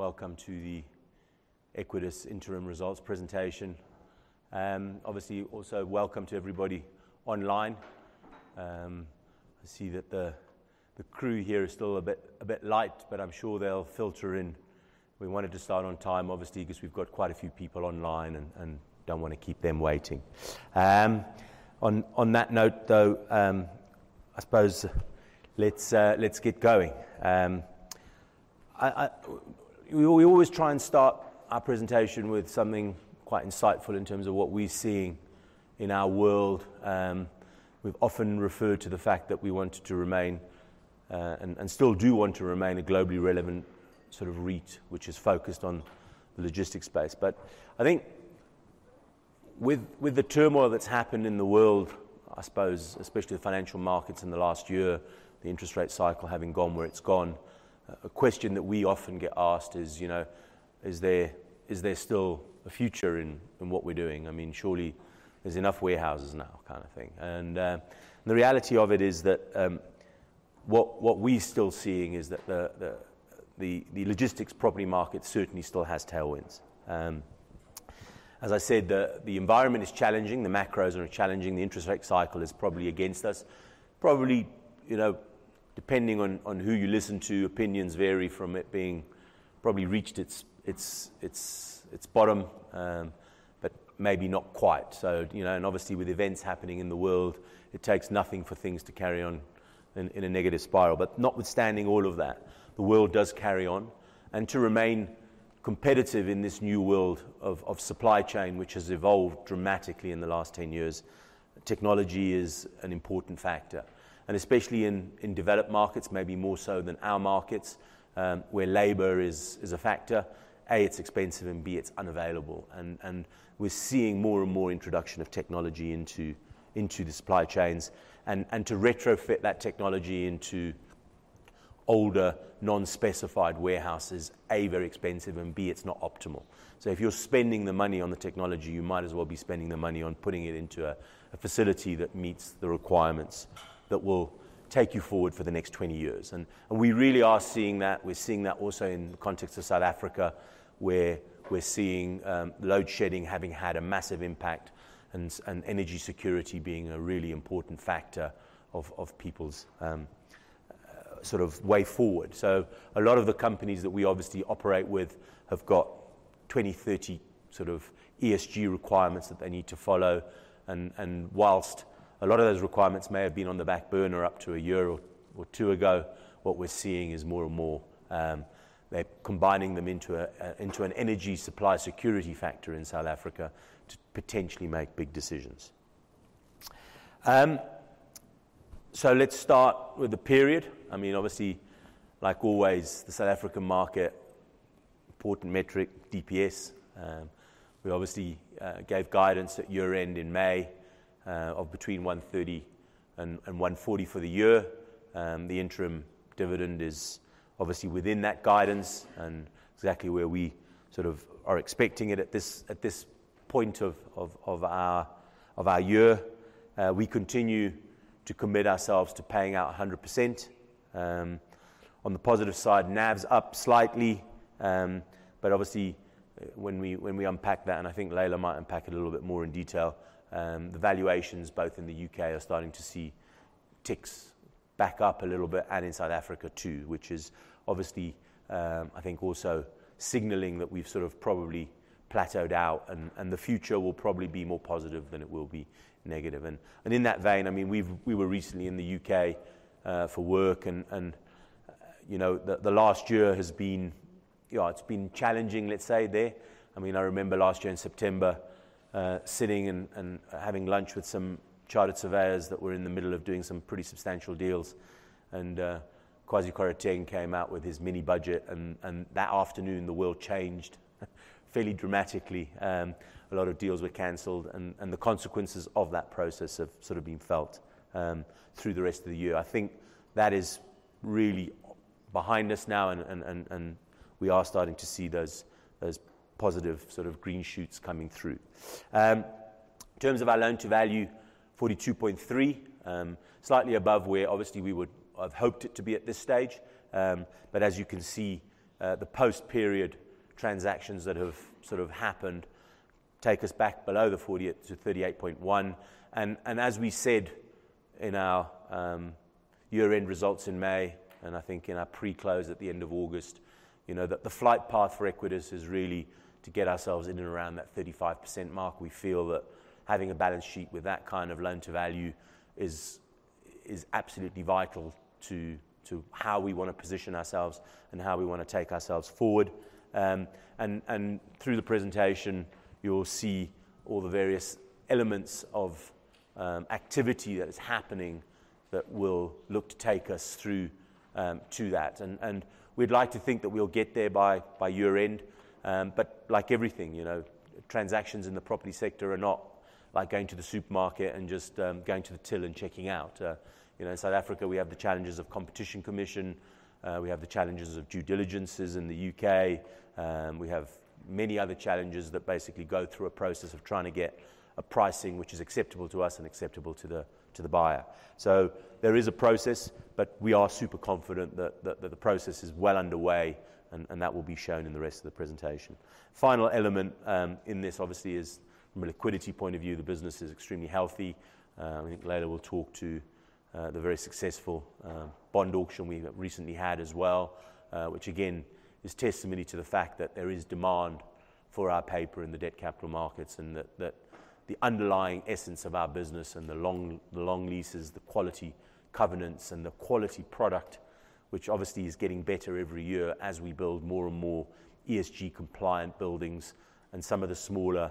Welcome to the Equites Interim Results presentation. Obviously, also welcome to everybody online. I see that the crew here is still a bit light but I'm sure they'll filter in. We wanted to start on time, obviously, because we've got quite a few people online and don't wanna keep them waiting. On that note, though, I suppose let's get going. We always try and start our presentation with something quite insightful in terms of what we're seeing in our world. We've often referred to the fact that we wanted to remain and still do want to remain a globally relevant sort of REIT, which is focused on the logistics space. I think with the turmoil that's happened in the world, I suppose, especially the financial markets in the last year, the interest rate cycle having gone where it's gone. A question that we often get asked is, you know, "Is there still a future in what we're doing? I mean, surely there's enough warehouses now," kind of thing. The reality of it is that what we're still seeing is that the logistics property market certainly still has tailwinds. As I said, the environment is challenging. The macros are challenging. The interest rate cycle is probably against us. Probably, you know, depending on who you listen to, opinions vary from it being probably reached its bottom but maybe not quite. You know, obviously with events happening in the world, it takes nothing for things to carry on in a negative spiral. Notwithstanding all of that, the world does carry on. To remain competitive in this new world of supply chain, which has evolved dramatically in the last 10 years, technology is an important factor. Especially in developed markets, maybe more so than our markets, where labor is a factor. A, it's expensive and B, it's unavailable. We're seeing more and more introduction of technology into the supply chains. To retrofit that technology into older non-specified warehouses, A, very expensive and B, it's not optimal. If you're spending the money on the technology, you might as well be spending the money on putting it into a facility that meets the requirements that will take you forward for the next 20 years. We really are seeing that. We're seeing that also in the context of South Africa, where we're seeing load shedding having had a massive impact and energy security being a really important factor of people's sort of way forward. A lot of the companies that we obviously operate with have got 20, 30 sort of ESG requirements that they need to follow. While a lot of those requirements may have been on the back burner up to a year or two ago, what we're seeing is more and more, they're combining them into an energy supply security factor in South Africa to potentially make big decisions. Let's start with the period. I mean, obviously, like always, the South African market, important metric, DPS. We obviously gave guidance at year-end in May of between 130 and 140 for the year. The interim dividend is obviously within that guidance and exactly where we sort of are expecting it at this point of our year. We continue to commit ourselves to paying out 100%. On the positive side, NAV's up slightly. Obviously when we unpack that and I think Laila might unpack it a little bit more in detail, the valuations both in the U.K. are starting to see ticks back up a little bit and in South Africa too, which is obviously, I think, also signaling that we've sort of probably plateaued out and the future will probably be more positive than it will be negative. In that vein, I mean, we were recently in the U.K. for work and, you know, the last year has been, you know, it's been challenging, let's say, there. I mean, I remember last year in September sitting and having lunch with some chartered surveyors that were in the middle of doing some pretty substantial deals. Kwasi Kwarteng came out with his mini budget and that afternoon the world changed fairly dramatically. A lot of deals were canceled and the consequences of that process have sort of been felt through the rest of the year. I think that is really behind us now and we are starting to see those positive sort of green shoots coming through. In terms of our loan to value, 42.3%, slightly above where obviously we would have hoped it to be at this stage. But as you can see, the post-period transactions that have sort of happened take us back below 40% to 38.1%. As we said in our year-end results in May and I think in our pre-close at the end of August, you know, that the flight path for Equites is really to get ourselves in and around that 35% mark. We feel that having a balance sheet with that kind of loan to value is absolutely vital to how we wanna position ourselves and how we wanna take ourselves forward. Through the presentation, you'll see all the various elements of activity that is happening that will look to take us through to that. We'd like to think that we'll get there by year-end but like everything, you know, transactions in the property sector are not like going to the supermarket and just going to the till and checking out. You know, in South Africa, we have the challenges of Competition Commission, we have the challenges of due diligence in the U.K., we have many other challenges that basically go through a process of trying to get a pricing which is acceptable to us and acceptable to the buyer. There is a process but we are super confident that the process is well underway and that will be shown in the rest of the presentation. Final element in this obviously is from a liquidity point of view, the business is extremely healthy. I think later we'll talk about the very successful bond auction we recently had as well, which again is testimony to the fact that there is demand for our paper in the debt capital markets and that the underlying essence of our business and the long leases. The quality covenants and the quality product, which obviously is getting better every year as we build more and more ESG compliant buildings and some of the smaller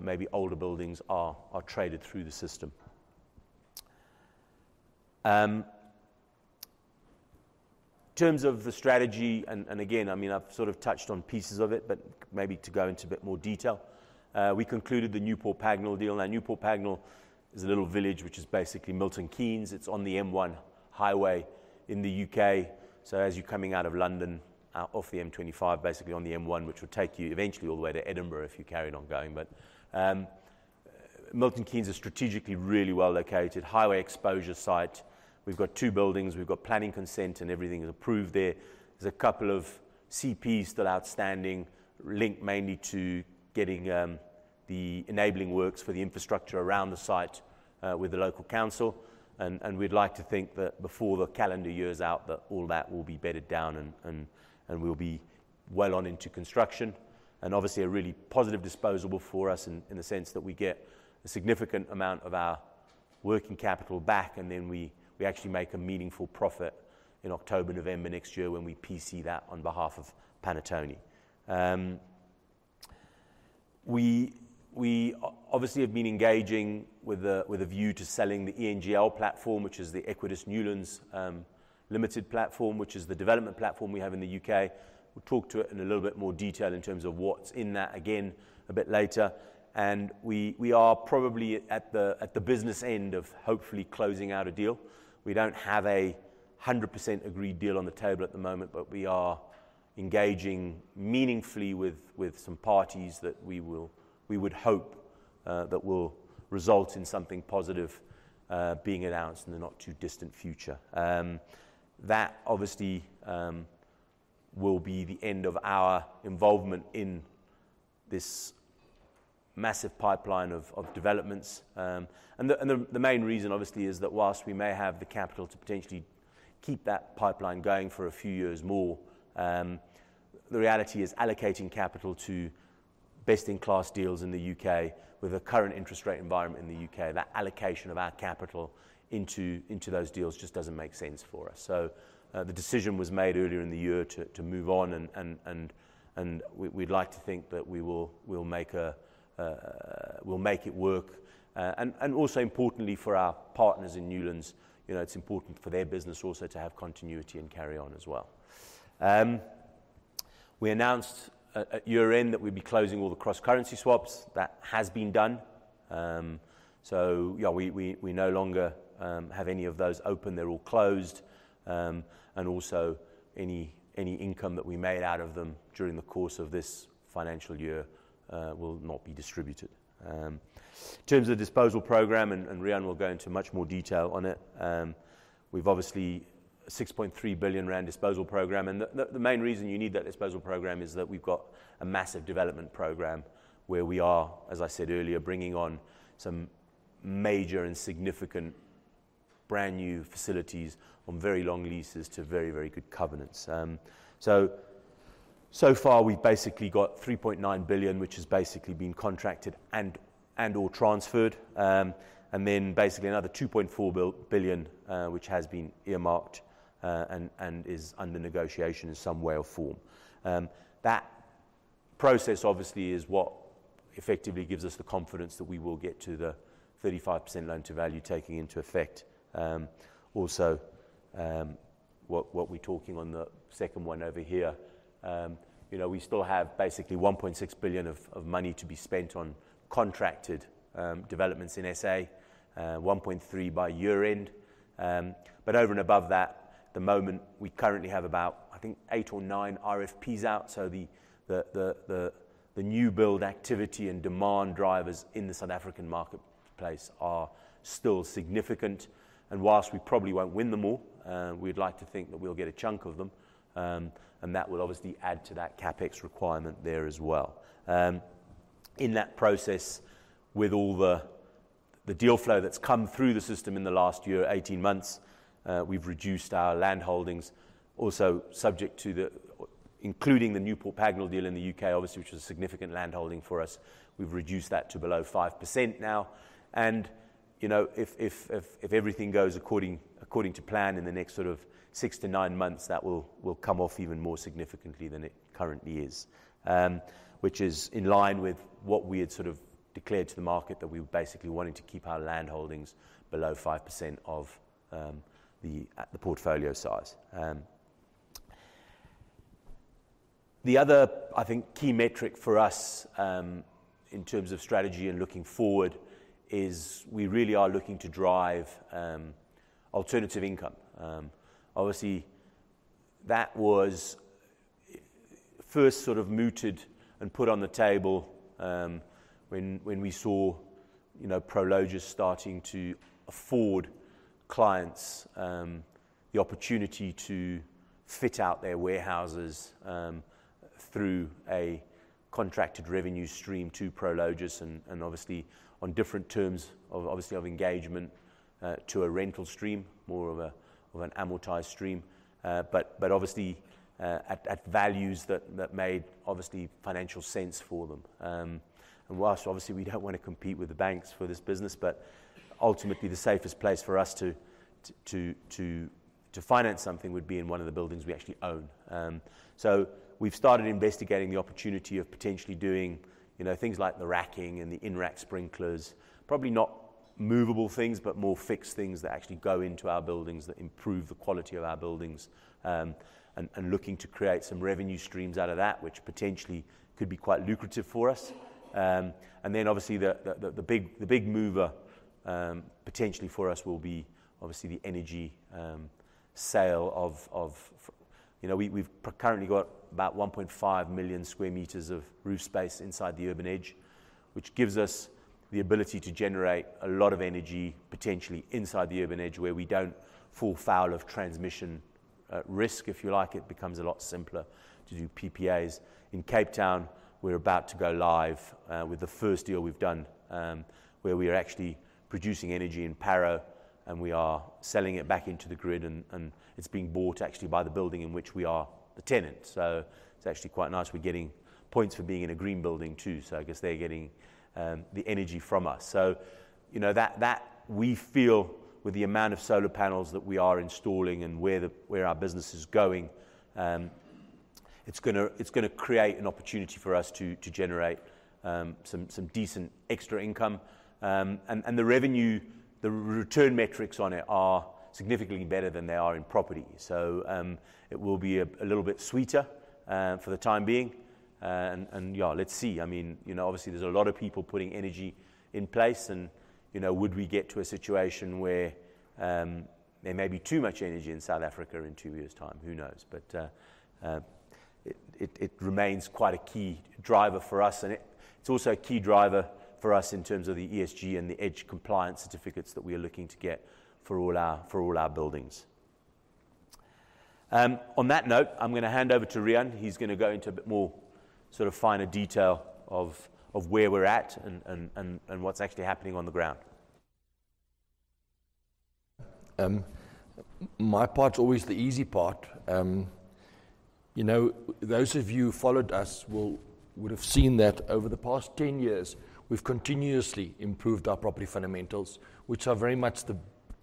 maybe older buildings are traded through the system. In terms of the strategy and again, I mean, I've sort of touched on pieces of it but maybe to go into a bit more detail. We concluded the Newport Pagnell deal. Now Newport Pagnell is a little village which is basically Milton Keynes. It's on the M1 highway in the U.K. As you're coming out of London, off the M25, basically on the M1, which would take you eventually all the way to Edinburgh if you carried on going. Milton Keynes is strategically really well located, highway exposure site. We've got two buildings, we've got planning consent and everything is approved there. There's a couple of CPs still outstanding, linked mainly to getting the enabling works for the infrastructure around the site, with the local council. We'd like to think that before the calendar year is out, that all that will be bedded down and we'll be well on into construction. Obviously a really positive disposal for us in the sense that we get a significant amount of our working capital back and then we actually make a meaningful profit in October, November next year when we PC that on behalf of Panattoni. We obviously have been engaging with a view to selling the ENGL platform, which is the Equites Newlands Limited platform, which is the development platform we have in the U.K. We'll talk to it in a little bit more detail in terms of what's in that again a bit later. We are probably at the business end of hopefully closing out a deal. We don't have 100% agreed deal on the table at the moment but we are engaging meaningfully with some parties that we would hope that will result in something positive being announced in the not too distant future. That obviously will be the end of our involvement in this massive pipeline of developments. The main reason obviously is that whilst we may have the capital to potentially keep that pipeline going for a few years more. The reality is allocating capital to best in class deals in the U.K. with the current interest rate environment in the U.K., that allocation of our capital into those deals just doesn't make sense for us. The decision was made earlier in the year to move on and we’d like to think that we’ll make it work. Also importantly for our partners in Newlands, you know, it’s important for their business also to have continuity and carry on as well. We announced at year-end that we’d be closing all the cross-currency swaps. That has been done. We no longer have any of those open. They’re all closed. Also any income that we made out of them during the course of this financial year will not be distributed. In terms of the disposal program and Riaan will go into much more detail on it. We've obviously got a 6.3 billion rand disposal program and the main reason you need that disposal program is that we've got a massive development program where we are, as I said earlier, bringing on some major and significant brand new facilities on very long leases to very, very good covenants. So far we've basically got 3.9 billion, which has basically been contracted and/or transferred. And then basically another 2.4 billion, which has been earmarked and is under negotiation in some way or form. That process obviously is what effectively gives us the confidence that we will get to the 35% loan to value taking into effect. Also, what we're talking on the second one over here, you know, we still have basically 1.6 billion of money to be spent on contracted developments in SA, 1.3 billion by year-end. Over and above that, at the moment we currently have about, I think, 8 or 9 RFPs out. The new build activity and demand drivers in the South African marketplace are still significant. Whilst we probably won't win them all, we'd like to think that we'll get a chunk of them. That will obviously add to that CapEx requirement there as well. In that process with all the deal flow that's come through the system in the last year, 18 months, we've reduced our land holdings also subject to the. Including the Newport Pagnell deal in the U.K., obviously, which was a significant land holding for us. We've reduced that to below 5% now. You know, if everything goes according to plan in the next sort of six-nine months, that will come off even more significantly than it currently is. Which is in line with what we had sort of declared to the market that we were basically wanting to keep our land holdings below 5% of the portfolio size. The other, I think, key metric for us in terms of strategy and looking forward is we really are looking to drive alternative income. Obviously, that was first sort of mooted and put on the table, when we saw, you know, Prologis starting to afford clients the opportunity to fit out their warehouses through a contracted revenue stream to Prologis and obviously on different terms of engagement to a rental stream, more of an amortized stream. But obviously, at values that made obviously financial sense for them. Whilst obviously we don't wanna compete with the banks for this business but ultimately the safest place for us to finance something would be in one of the buildings we actually own. We've started investigating the opportunity of potentially doing, you know, things like the racking and the in-rack sprinklers. Probably not movable things but more fixed things that actually go into our buildings, that improve the quality of our buildings and looking to create some revenue streams out of that, which potentially could be quite lucrative for us. The big mover, potentially for us, will be obviously the energy sale. You know, we've currently got about 1.5 million sq m of roof space inside the urban edge, which gives us the ability to generate a lot of energy potentially inside the urban edge where we don't fall foul of transmission risk, if you like. It becomes a lot simpler to do PPAs. In Cape Town, we're about to go live with the first deal we've done, where we are actually producing energy in Parow and we are selling it back into the grid and it's being bought actually by the building in which we are the tenant. It's actually quite nice. We're getting points for being in a green building too, so I guess they're getting the energy from us. You know, that we feel with the amount of solar panels that we are installing and where our business is going, it's gonna create an opportunity for us to generate some decent extra income. The revenue, the return metrics on it are significantly better than they are in property. It will be a little bit sweeter for the time being. Yeah, let's see. I mean, you know, obviously there's a lot of people putting energy in place and, you know, would we get to a situation where there may be too much energy in South Africa in two years' time? Who knows? It remains quite a key driver for us and it's also a key driver for us in terms of the ESG and the EDGE compliance certificates that we are looking to get for all our buildings. On that note, I'm gonna hand over to Riaan. He's gonna go into a bit more sort of finer detail of where we're at and what's actually happening on the ground. My part's always the easy part. You know, those of you who followed us would have seen that over the past 10 years, we've continuously improved our property fundamentals, which are very much the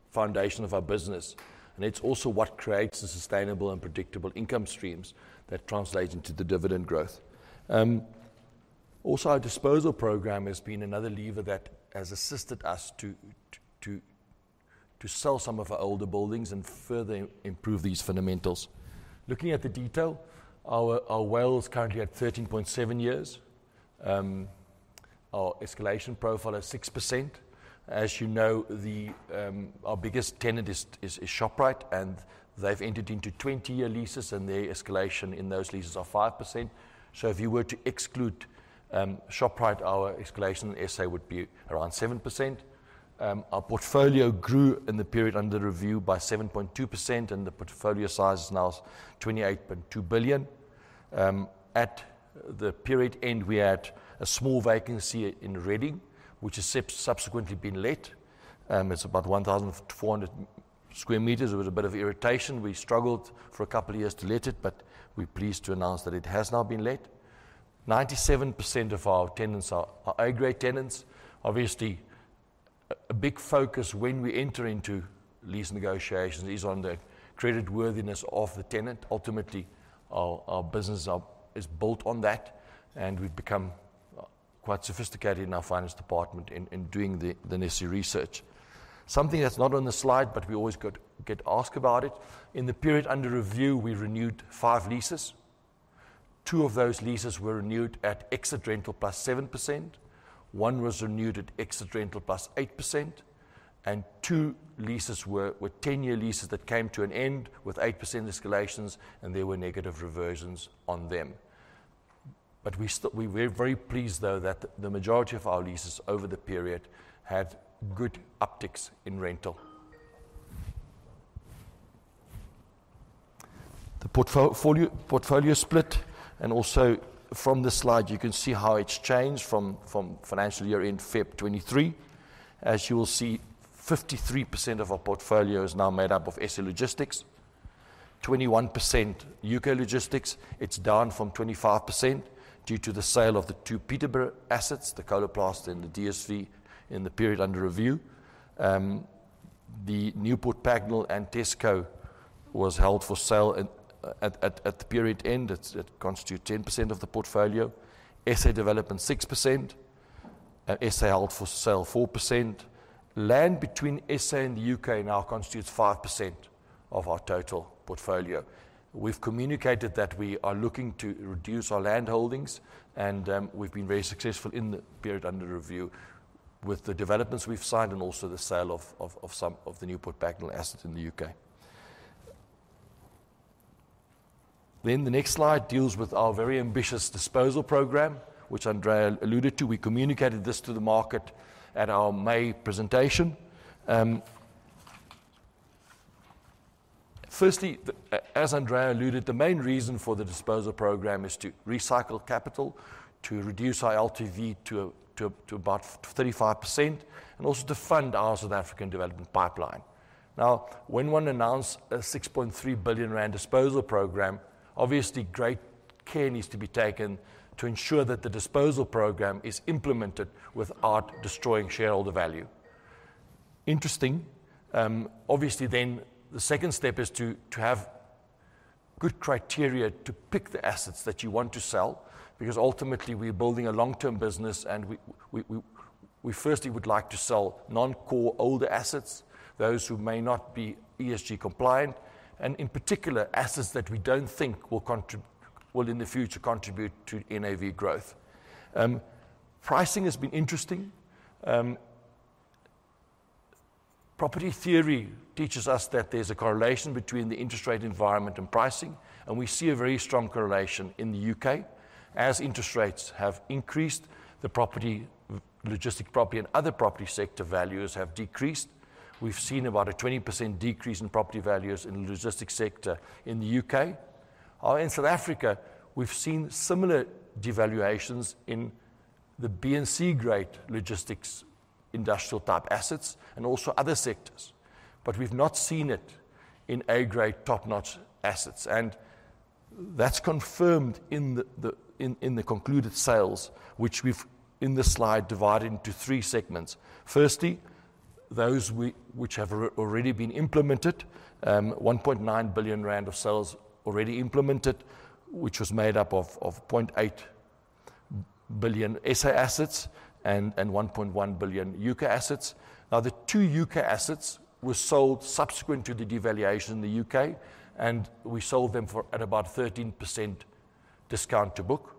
foundation of our business and it's also what creates the sustainable and predictable income streams that translate into the dividend growth. Also, our disposal program has been another lever that has assisted us to sell some of our older buildings and further improve these fundamentals. Looking at the detail, our WALE is currently at 13.7 years. Our escalation profile is 6%. As you know, our biggest tenant is Shoprite and they've entered into 20-year leases and their escalation in those leases are 5%. If you were to exclude Shoprite, our escalation, say, would be around 7%. Our portfolio grew in the period under review by 7.2% and the portfolio size is now 28.2 billion. At the period end, we had a small vacancy in Reading, which has subsequently been let. It's about 1,400 sq m. It was a bit of irritation. We struggled for a couple of years to let it but we're pleased to announce that it has now been let. 97% of our tenants are A-grade tenants. Obviously, a big focus when we enter into lease negotiations is on the creditworthiness of the tenant. Ultimately, our business is built on that and we've become quite sophisticated in our finance department in doing the necessary research. Something that's not on the slide but we always get asked about it. In the period under review, we renewed five leases. Two of those leases were renewed at exit rental plus 7%. One was renewed at exit rental plus 8%. Two leases were ten-year leases that came to an end with 8% escalations and there were negative reversions on them. We were very pleased though that the majority of our leases over the period had good upticks in rental. The portfolio split and also from this slide you can see how it's changed from financial year-end February 2023. As you will see, 53% of our portfolio is now made up of SA Logistics. 21% U.K. Logistics. It's down from 25% due to the sale of the two Peterborough assets, the Coloplast and the DSV, in the period under review. The Newport Pagnell and Tesco was held for sale at the period end. It constitutes 10% of the portfolio. SA Development, 6%. SA held for sale 4%. Land between SA and the U.K. now constitutes 5% of our total portfolio. We've communicated that we are looking to reduce our land holdings and we've been very successful in the period under review with the developments we've signed and also the sale of some of the Newport Pagnell assets in the U.K. The next slide deals with our very ambitious disposal program, which Andrea alluded to. We communicated this to the market at our May presentation. Firstly, as Andrea alluded, the main reason for the disposal program is to recycle capital, to reduce our LTV to about 35% and also to fund our South African development pipeline. Now, when one announce a 6.3 billion rand disposal program, obviously great care needs to be taken to ensure that the disposal program is implemented without destroying shareholder value. Obviously then the second step is to have good criteria to pick the assets that you want to sell, because ultimately we're building a long-term business and we firstly would like to sell non-core older assets, those who may not be ESG compliant and in particular, assets that we don't think will in the future contribute to NAV growth. Pricing has been interesting. Property theory teaches us that there's a correlation between the interest rate environment and pricing and we see a very strong correlation in the U.K. As interest rates have increased, the property, logistics property and other property sector values have decreased. We've seen about a 20% decrease in property values in the logistics sector in the U.K. In South Africa, we've seen similar devaluations in the B- and C-grade logistics, industrial type assets and also other sectors. We've not seen it in A-grade top-notch assets. That's confirmed in the concluded sales, which we've in this slide divided into three segments. Firstly, those which have already been implemented. 1.9 billion rand of sales already implemented, which was made up of 0.8 billion SA assets and 1.1 billion U.K. assets. Now, the two U.K. assets were sold subsequent to the devaluation in the U.K. and we sold them for at about 13% discount to book.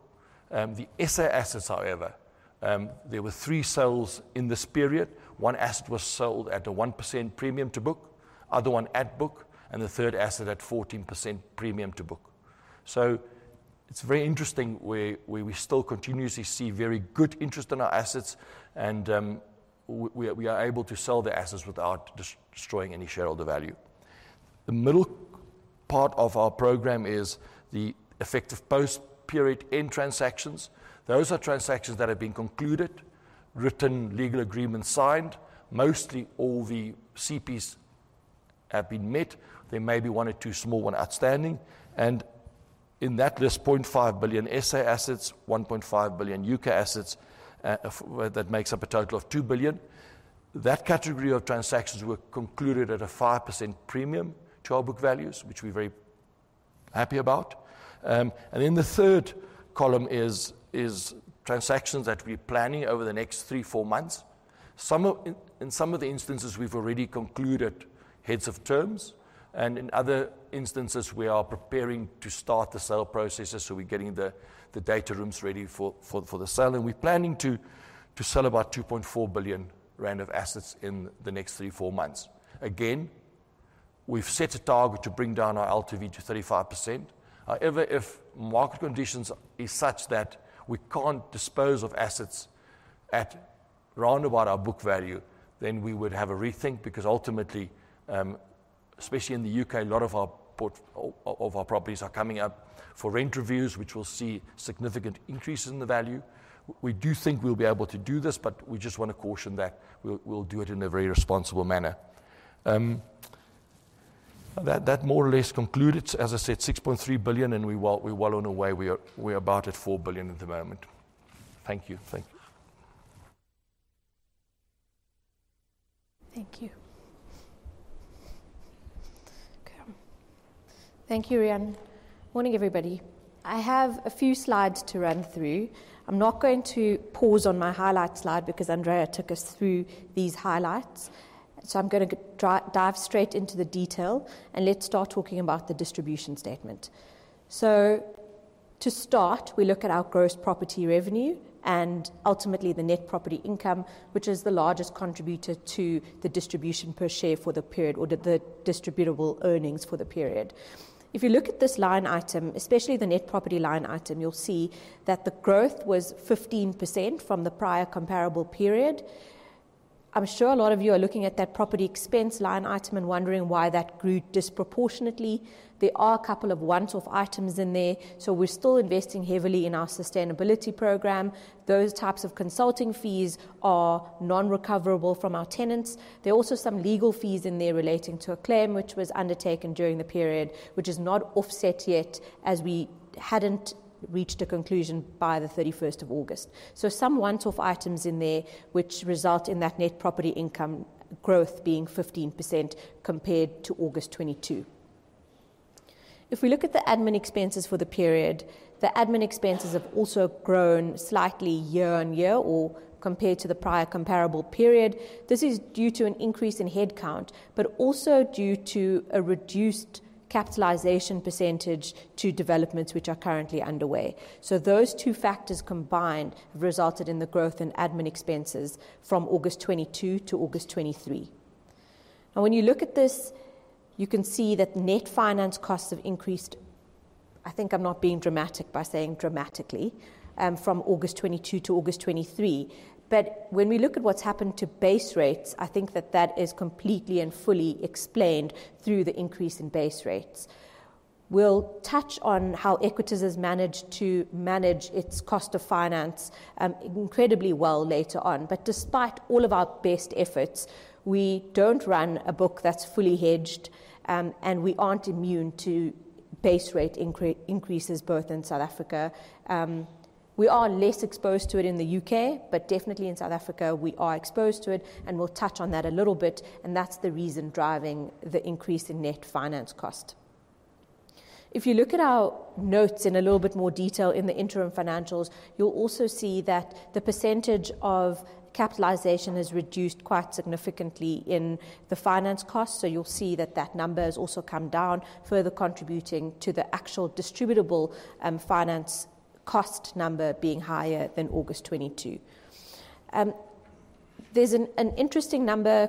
The SA assets, however, there were three sales in this period. One asset was sold at a 1% premium to book, other one at book and the third asset at 14% premium to book. It's very interesting where we still continuously see very good interest in our assets and we are able to sell the assets without destroying any shareholder value. The middle part of our program is the effect of post period end transactions. Those are transactions that have been concluded, written legal agreements signed. Mostly all the CPs have been met. There may be one or two small one outstanding. In that list, 0.5 billion SA assets, 1.5 billion U.K. assets. That makes up a total of 2 billion. That category of transactions were concluded at a 5% premium to our book values, which we're very happy about. Then the third column is transactions that we're planning over the next three, four months. In some of the instances, we've already concluded heads of terms and in other instances, we are preparing to start the sale processes. We're getting the data rooms ready for the sale. We're planning to sell about 2.4 billion rand of assets in the next three, four months. We've set a target to bring down our LTV to 35%. However, if market conditions is such that we can't dispose of assets at round about our book value, then we would have a rethink because ultimately, especially in the U.K., a lot of our of our properties are coming up for rent reviews, which will see significant increases in the value. We do think we'll be able to do this but we just wanna caution that we'll do it in a very responsible manner. That more or less conclude it. As I said, 6.3 billion and we're well on our way. We are about at 4 billion at the moment. Thank you. Thank you. Okay. Thank you, Riaan. Morning, everybody. I have a few slides to run through. I'm not going to pause on my highlights slide because Andrea took us through these highlights. I'm gonna dive straight into the detail and let's start talking about the distribution statement. To start, we look at our gross property revenue and ultimately the net property income, which is the largest contributor to the distribution per share for the period or the distributable earnings for the period. If you look at this line item, especially the net property line item, you'll see that the growth was 15% from the prior comparable period. I'm sure a lot of you are looking at that property expense line item and wondering why that grew disproportionately. There are a couple of one-off items in there. We're still investing heavily in our sustainability program. Those types of consulting fees are non-recoverable from our tenants. There are also some legal fees in there relating to a claim which was undertaken during the period, which is not offset yet as we hadn't reached a conclusion by the 31st of August. Some one-off items in there which result in that net property income growth being 15% compared to August 2022. If we look at the admin expenses for the period, the admin expenses have also grown slightly year-on-year or compared to the prior comparable period. This is due to an increase in headcount but also due to a reduced capitalization percentage to developments which are currently underway. Those two factors combined have resulted in the growth in admin expenses from August 2022 to August 2023. Now, when you look at this, you can see that net finance costs have increased. I think I'm not being dramatic by saying dramatically from August 2022 to August 2023. When we look at what's happened to base rates, I think that is completely and fully explained through the increase in base rates. We'll touch on how Equites has managed to manage its cost of finance incredibly well later on. Despite all of our best efforts, we don't run a book that's fully hedged and we aren't immune to base rate increases both in South Africa. We are less exposed to it in the U.K. but definitely in South Africa, we are exposed to it and we'll touch on that a little bit and that's the reason driving the increase in net finance cost. If you look at our notes in a little bit more detail in the interim financials, you'll also see that the percentage of capitalization has reduced quite significantly in the finance cost. You'll see that number has also come down, further contributing to the actual distributable finance cost number being higher than August 2022. There's an interesting number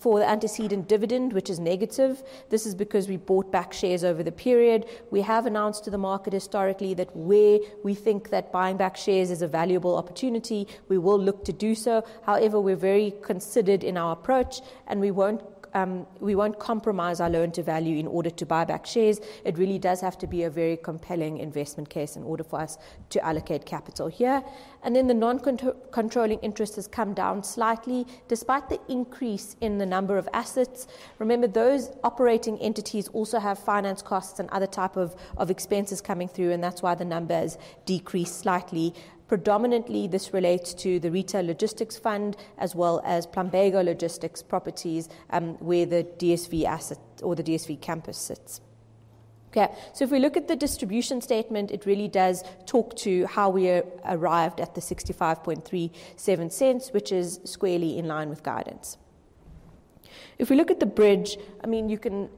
for the antecedent dividend, which is negative. This is because we bought back shares over the period. We have announced to the market historically that where we think that buying back shares is a valuable opportunity, we will look to do so. However, we're very considered in our approach and we won't compromise our loan-to-value in order to buy back shares. It really does have to be a very compelling investment case in order for us to allocate capital here. The non-controlling interest has come down slightly despite the increase in the number of assets. Remember, those operating entities also have finance costs and other type of expenses coming through and that's why the number has decreased slightly. Predominantly, this relates to the Retail Logistics Fund as well as Plumbago Logistics Properties, where the DSV asset or the DSV campus sits. Okay. If we look at the distribution statement, it really does talk to how we arrived at the 0.6537, which is squarely in line with guidance. If we look at the bridge, I mean, you can.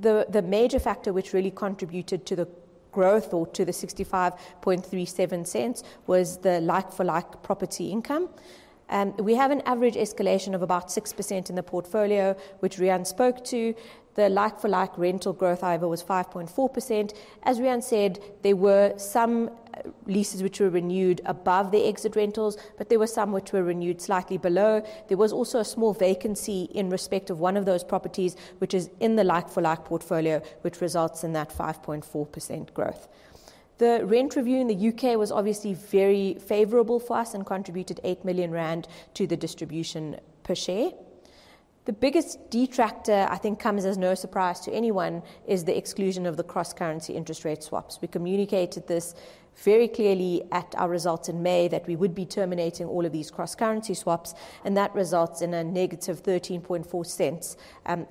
The major factor which really contributed to the growth or to the 0.6537 was the like-for-like property income. We have an average escalation of about 6% in the portfolio, which Riaan spoke to. The like-for-like rental growth, however, was 5.4%. As Riaan said, there were some leases which were renewed above the exit rentals but there were some which were renewed slightly below. There was also a small vacancy in respect of one of those properties, which is in the like-for-like portfolio, which results in that 5.4% growth. The rent review in the U.K. was obviously very favorable for us and contributed 8 million rand to the distribution per share. The biggest detractor, I think comes as no surprise to anyone, is the exclusion of the cross-currency interest rate swaps. We communicated this very clearly at our results in May that we would be terminating all of these cross-currency swaps and that results in a negative 0.134,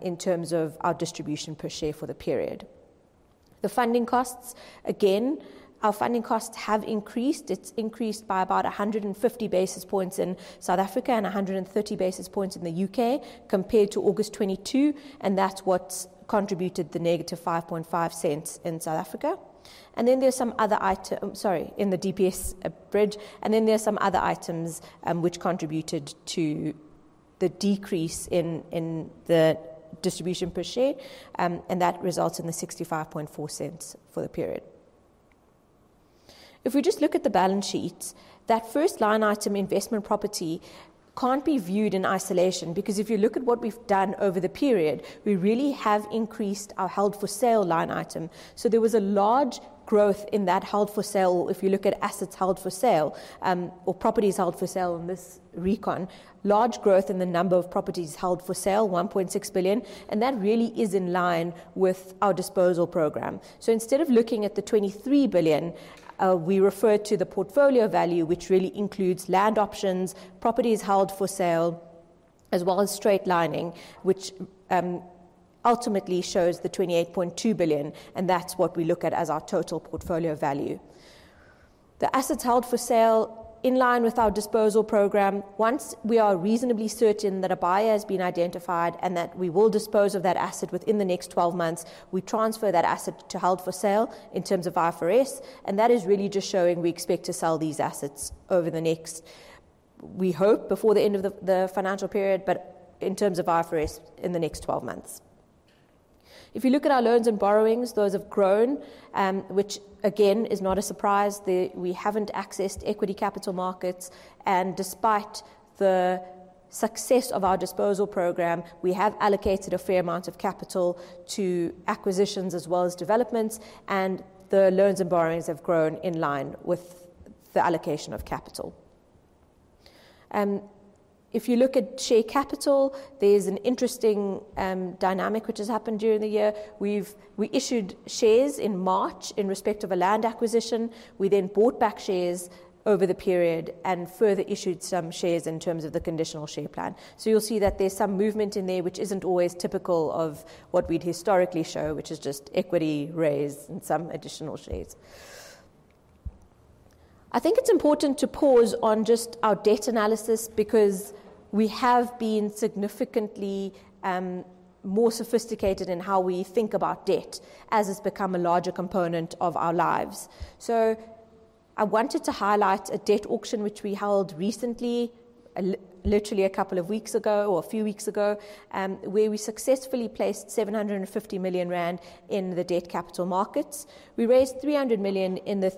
in terms of our distribution per share for the period. The funding costs, again, our funding costs have increased. It's increased by about 150 basis points in South Africa and 130 basis points in the U.K. compared to August 2022 and that's what's contributed the -0.055 in South Africa. There are some other items in the DPS bridge which contributed to the decrease in the distribution per share and that results in the 0.654 for the period. If we just look at the balance sheet, that first line item, investment property, can't be viewed in isolation because if you look at what we've done over the period, we really have increased our held for sale line item. There was a large growth in that held for sale if you look at assets held for sale or properties held for sale in this recon. Large growth in the number of properties held for sale, 1.6 billion and that really is in line with our disposal program. Instead of looking at the 23 billion, we refer to the portfolio value, which really includes land options, properties held for sale, as well as straight lining, which ultimately shows the 28.2 billion and that's what we look at as our total portfolio value. The assets held for sale in line with our disposal program. Once we are reasonably certain that a buyer has been identified and that we will dispose of that asset within the next 12 months, we transfer that asset to held for sale in terms of IFRS and that is really just showing we expect to sell these assets over the next. We hope before the end of the financial period but in terms of IFRS, in the next 12 months. If you look at our loans and borrowings, those have grown, which again is not a surprise. We haven't accessed equity capital markets and despite the success of our disposal program, we have allocated a fair amount of capital to acquisitions as well as developments and the loans and borrowings have grown in line with the allocation of capital. If you look at share capital, there's an interesting dynamic which has happened during the year. We issued shares in March in respect of a land acquisition. We then bought back shares over the period and further issued some shares in terms of the conditional share plan. You'll see that there's some movement in there which isn't always typical of what we'd historically show, which is just equity raised and some additional shares. I think it's important to pause on just our debt analysis because we have been significantly more sophisticated in how we think about debt as it's become a larger component of our lives. I wanted to highlight a debt auction, which we held recently, literally a couple of weeks ago or a few weeks ago, where we successfully placed 750 million rand in the debt capital markets. We raised 300 million in the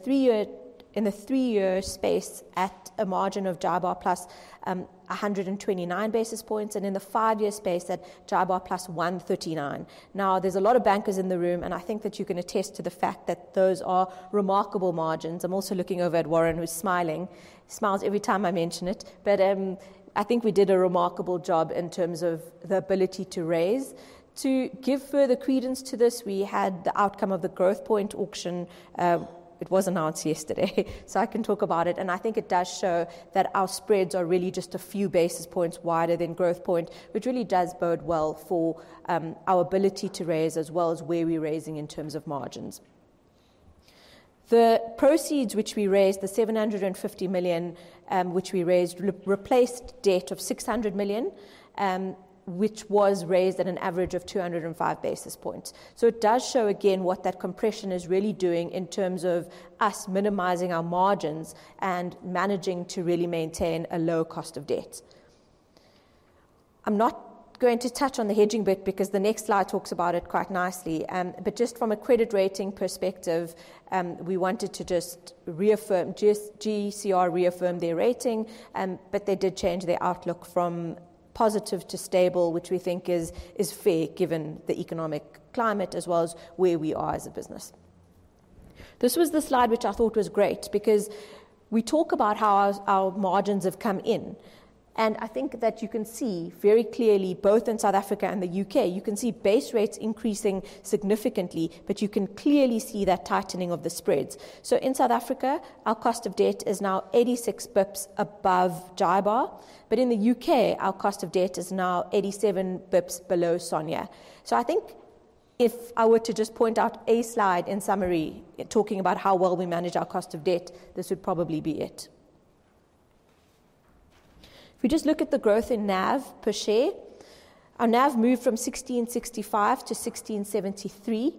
three-year space at a margin of JIBAR plus 129 basis points and in the five-year space at JIBAR plus 139. Now, there's a lot of bankers in the room and I think that you can attest to the fact that those are remarkable margins. I'm also looking over at Warren, who's smiling. He smiles every time I mention it. I think we did a remarkable job in terms of the ability to raise. To give further credence to this, we had the outcome of the Growthpoint auction. It was announced yesterday, so I can talk about it and I think it does show that our spreads are really just a few basis points wider than Growthpoint, which really does bode well for our ability to raise as well as where we're raising in terms of margins. The proceeds which we raised, the 750 million, replaced debt of 600 million, which was raised at an average of 205 basis points. It does show again what that compression is really doing in terms of us minimizing our margins and managing to really maintain a low cost of debt. I'm not going to touch on the hedging bit because the next slide talks about it quite nicely. Just from a credit rating perspective, we wanted to just reaffirm. GCR reaffirmed their rating but they did change their outlook from positive to stable, which we think is fair given the economic climate as well as where we are as a business. This was the slide which I thought was great because we talk about how our margins have come in and I think that you can see very clearly both in South Africa and the U.K., you can see base rates increasing significantly but you can clearly see that tightening of the spreads. In South Africa, our cost of debt is now 86 basis points above JIBAR. But in the U.K., our cost of debt is now 87 basis points below SONIA. I think if I were to just point out a slide in summary talking about how well we manage our cost of debt, this would probably be it. If we just look at the growth in NAV per share, our NAV moved from 1,665 to 1,673.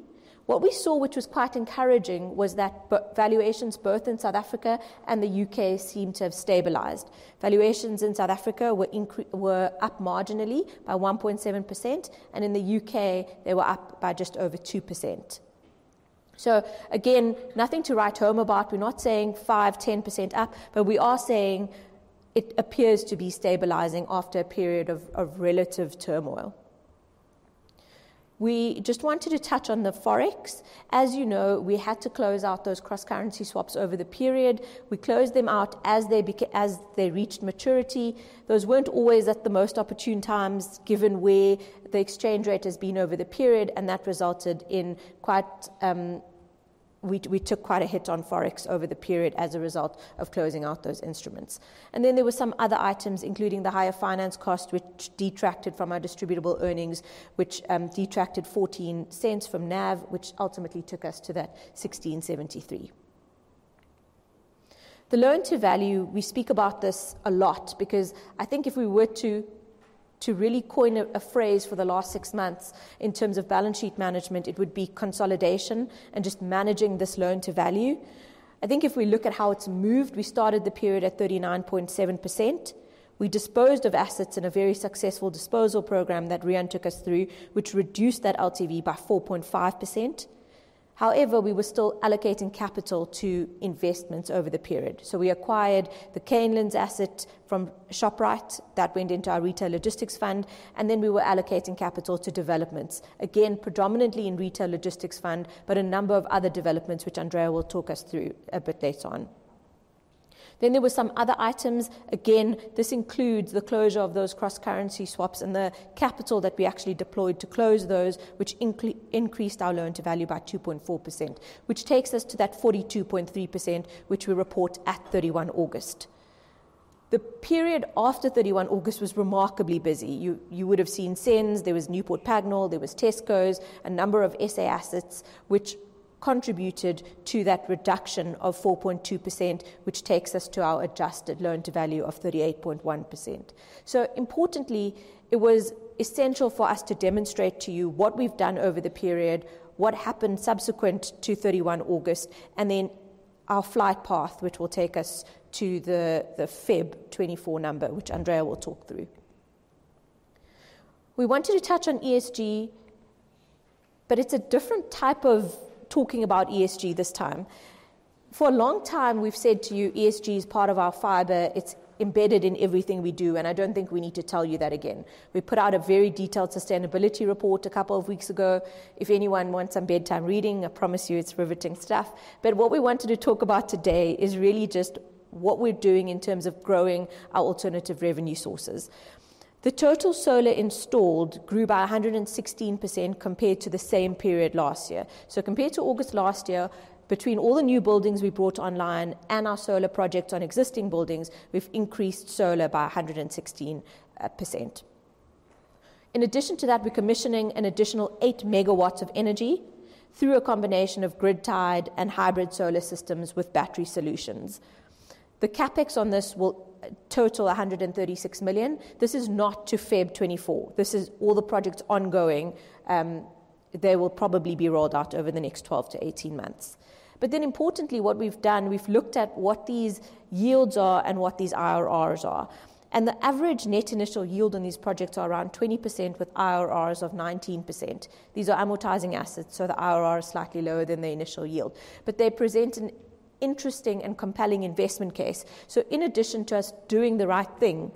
What we saw, which was quite encouraging, was that valuations both in South Africa and the U.K. seemed to have stabilized. Valuations in South Africa were up marginally by 1.7% and in the U.K., they were up by just over 2%. Again, nothing to write home about. We're not saying 5, 10% up but we are saying it appears to be stabilizing after a period of relative turmoil. We just wanted to touch on the Forex. As you know, we had to close out those cross-currency swaps over the period. We closed them out as they reached maturity. Those weren't always at the most opportune times, given where the exchange rate has been over the period and that resulted in quite a hit on Forex over the period as a result of closing out those instruments. There were some other items, including the higher finance cost, which detracted from our distributable earnings, which detracted 0.14 from NAV, which ultimately took us to that 16.73. The loan to value, we speak about this a lot because I think if we were to really coin a phrase for the last six months in terms of balance sheet management, it would be consolidation and just managing this loan to value. I think if we look at how it's moved, we started the period at 39.7%. We disposed of assets in a very successful disposal program that Riaan took us through, which reduced that LTV by 4.5%. However, we were still allocating capital to investments over the period. We acquired the Cilmor asset from Shoprite. That went into our Retail Logistics Fund. We were allocating capital to developments, again, predominantly in Retail Logistics Fund but a number of other developments which Andrea will talk us through a bit later on. There were some other items. Again, this includes the closure of those cross-currency swaps and the capital that we actually deployed to close those, which increased our loan to value by 2.4%, which takes us to that 42.3%, which we report at 31 August. The period after 31 August was remarkably busy. You would have seen SENS. There was Newport Pagnell, there was Tesco, a number of SA assets which contributed to that reduction of 4.2%, which takes us to our adjusted loan to value of 38.1%. Importantly, it was essential for us to demonstrate to you what we've done over the period, what happened subsequent to 31 August and then our flight path, which will take us to the Feb 2024 number, which Andrea will talk through. We wanted to touch on ESG but it's a different type of talking about ESG this time. For a long time, we've said to you, ESG is part of our fiber. It's embedded in everything we do and I don't think we need to tell you that again. We put out a very detailed sustainability report a couple of weeks ago. If anyone wants some bedtime reading, I promise you it's riveting stuff. What we wanted to talk about today is really just what we're doing in terms of growing our alternative revenue sources. The total solar installed grew by 116% compared to the same period last year. Compared to August last year, between all the new buildings we brought online and our solar projects on existing buildings, we've increased solar by 116%. In addition to that, we're commissioning an additional 8 MW of energy through a combination of grid-tied and hybrid solar systems with battery solutions. The CapEx on this will total 136 million. This is not to February 2024. This is all the projects ongoing. They will probably be rolled out over the next 12-18 months. Importantly, what we've done, we've looked at what these yields are and what these IRRs are and the average net initial yield on these projects are around 20% with IRRs of 19%. These are amortizing assets, so the IRR is slightly lower than the initial yield but they present an interesting and compelling investment case. In addition to us doing the right thing,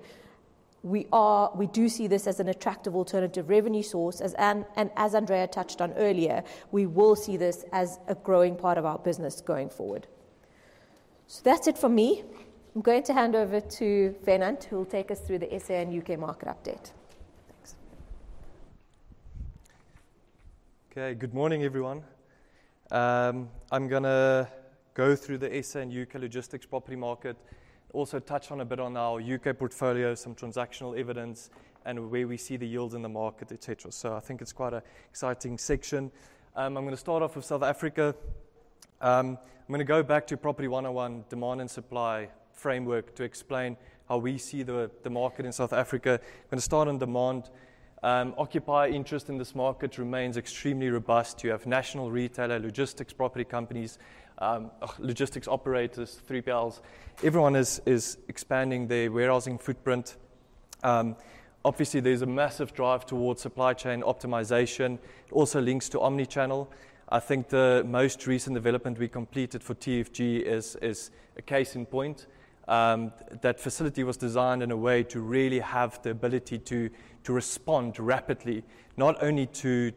we do see this as an attractive alternative revenue source and as Andrea touched on earlier, we will see this as a growing part of our business going forward. That's it for me. I'm going to hand over to Werner, who will take us through the SA and U.K. market update. Thanks. Okay. Good morning, everyone. I'm gonna go through the SA and U.K. logistics property market, also touch on a bit on our U.K. portfolio, some transactional evidence and where we see the yields in the market, et cetera. I think it's quite an exciting section. I'm gonna start off with South Africa. I'm gonna go back to Property 101 demand and supply framework to explain how we see the market in South Africa. I'm gonna start on demand. Occupier interest in this market remains extremely robust. You have national retailer, logistics property companies, logistics operators, 3PLs. Everyone is expanding their warehousing footprint. Obviously, there's a massive drive towards supply chain optimization, also links to omnichannel. I think the most recent development we completed for TFG is a case in point. That facility was designed in a way to really have the ability to respond rapidly, not only to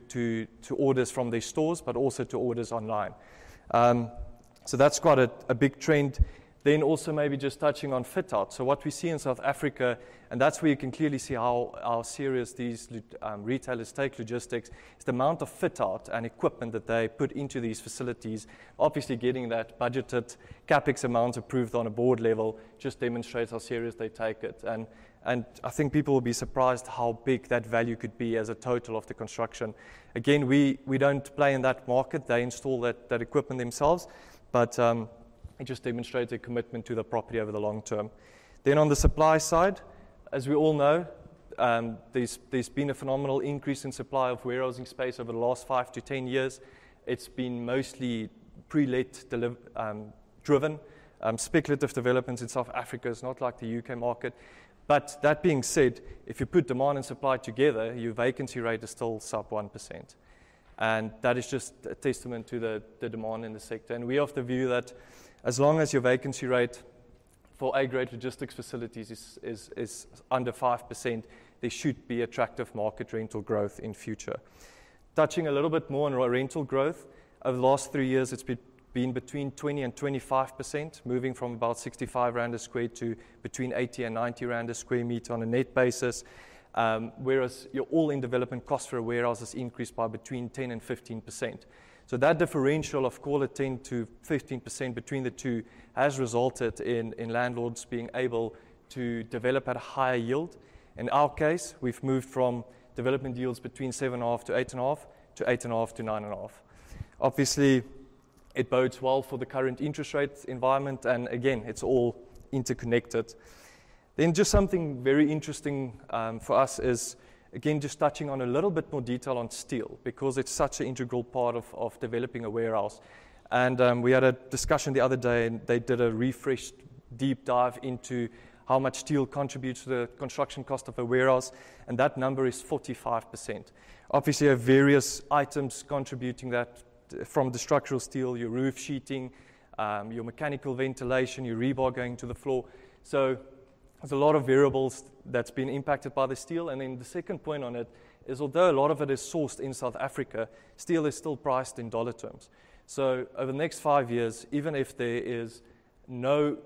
orders from their stores but also to orders online. That's quite a big trend. Also maybe just touching on fit-out. What we see in South Africa and that's where you can clearly see how serious these retailers take logistics, is the amount of fit-out and equipment that they put into these facilities. Obviously, getting that budgeted CapEx amount approved on a board level just demonstrates how serious they take it. I think people will be surprised how big that value could be as a total of the construction. Again, we don't play in that market. They install that equipment themselves. It just demonstrates their commitment to the property over the long term. On the supply side, as we all know, there's been a phenomenal increase in supply of warehousing space over the last 5-10 years. It's been mostly pre-let driven. Speculative developments in South Africa is not like the U.K. market. That being said, if you put demand and supply together, your vacancy rate is still sub 1% and that is just a testament to the demand in the sector. We're of the view that as long as your vacancy rate for A-grade logistics facilities is under 5%, there should be attractive market rental growth in future. Touching a little bit more on rental growth. Over the last 3 years, it's been between 20% and 25%, moving from about 65 rand a sq m to between 80 and 90 rand a sq m on a net basis. Whereas your all-in development cost for a warehouse has increased by between 10%-15%. That differential of call it 10%-15% between the two has resulted in landlords being able to develop at a higher yield. In our case, we've moved from development yields between 7.5%-8.5% to 8.5%-9.5%. Obviously, it bodes well for the current interest rate environment and again, it's all interconnected. Just something very interesting for us is, again, just touching on a little bit more detail on steel because it's such an integral part of developing a warehouse. We had a discussion the other day and they did a refreshed deep dive into how much steel contributes to the construction cost of a warehouse and that number is 45%. Obviously, you have various items contributing that from the structural steel, your roof sheeting, your mechanical ventilation, your rebar going to the floor. There's a lot of variables that's been impacted by the steel. The second point on it is, although a lot of it is sourced in South Africa, steel is still priced in dollar terms. Over the next five years, even if there is no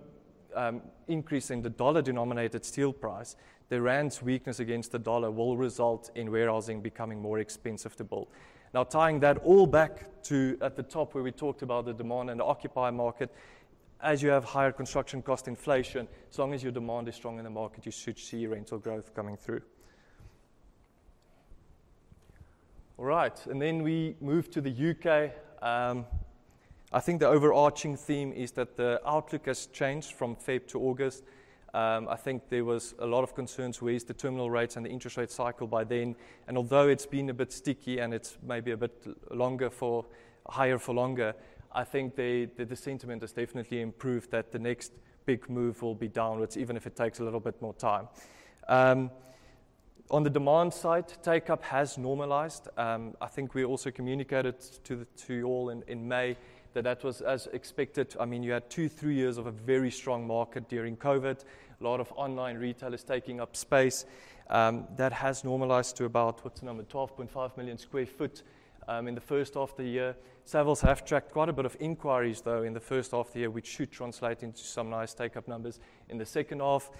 increase in the dollar-denominated steel price, the rand's weakness against the dollar will result in warehousing becoming more expensive to build. Now, tying that all back to the top, where we talked about the demand and the occupier market, as you have higher construction cost inflation, so long as your demand is strong in the market, you should see rental growth coming through. All right. Then we move to the U.K. I think the overarching theme is that the outlook has changed from Feb to August. I think there was a lot of concerns with the terminal rates and the interest rate cycle by then. Although it's been a bit sticky and it's maybe a bit higher for longer, I think the sentiment has definitely improved that the next big move will be downwards, even if it takes a little bit more time. On the demand side, take-up has normalized. I think we also communicated to you all in May that was as expected. I mean, you had two-three years of a very strong market during COVID. A lot of online retailers taking up space. That has normalized to about, what's the number? 12.5 million sq ft in the first half of the year. Savills have tracked quite a bit of inquiries, though, in the first half of the year, which should translate into some nice take-up numbers in the second half.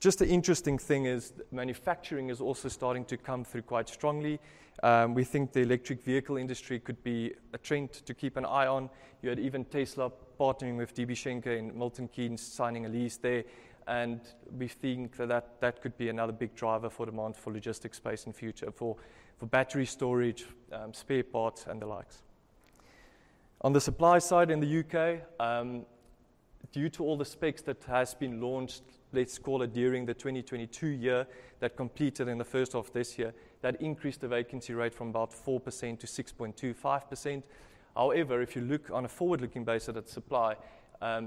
Just the interesting thing is manufacturing is also starting to come through quite strongly. We think the electric vehicle industry could be a trend to keep an eye on. You had even Tesla partnering with DB Schenker in Milton Keynes, signing a lease there. We think that could be another big driver for demand for logistics space in future for battery storage, spare parts and the likes. On the supply side in the U.K., due to all the specs that has been launched, let's call it during the 2022 year that completed in the first half of this year, that increased the vacancy rate from about 4% to 6.25%. However, if you look on a forward-looking basis at supply,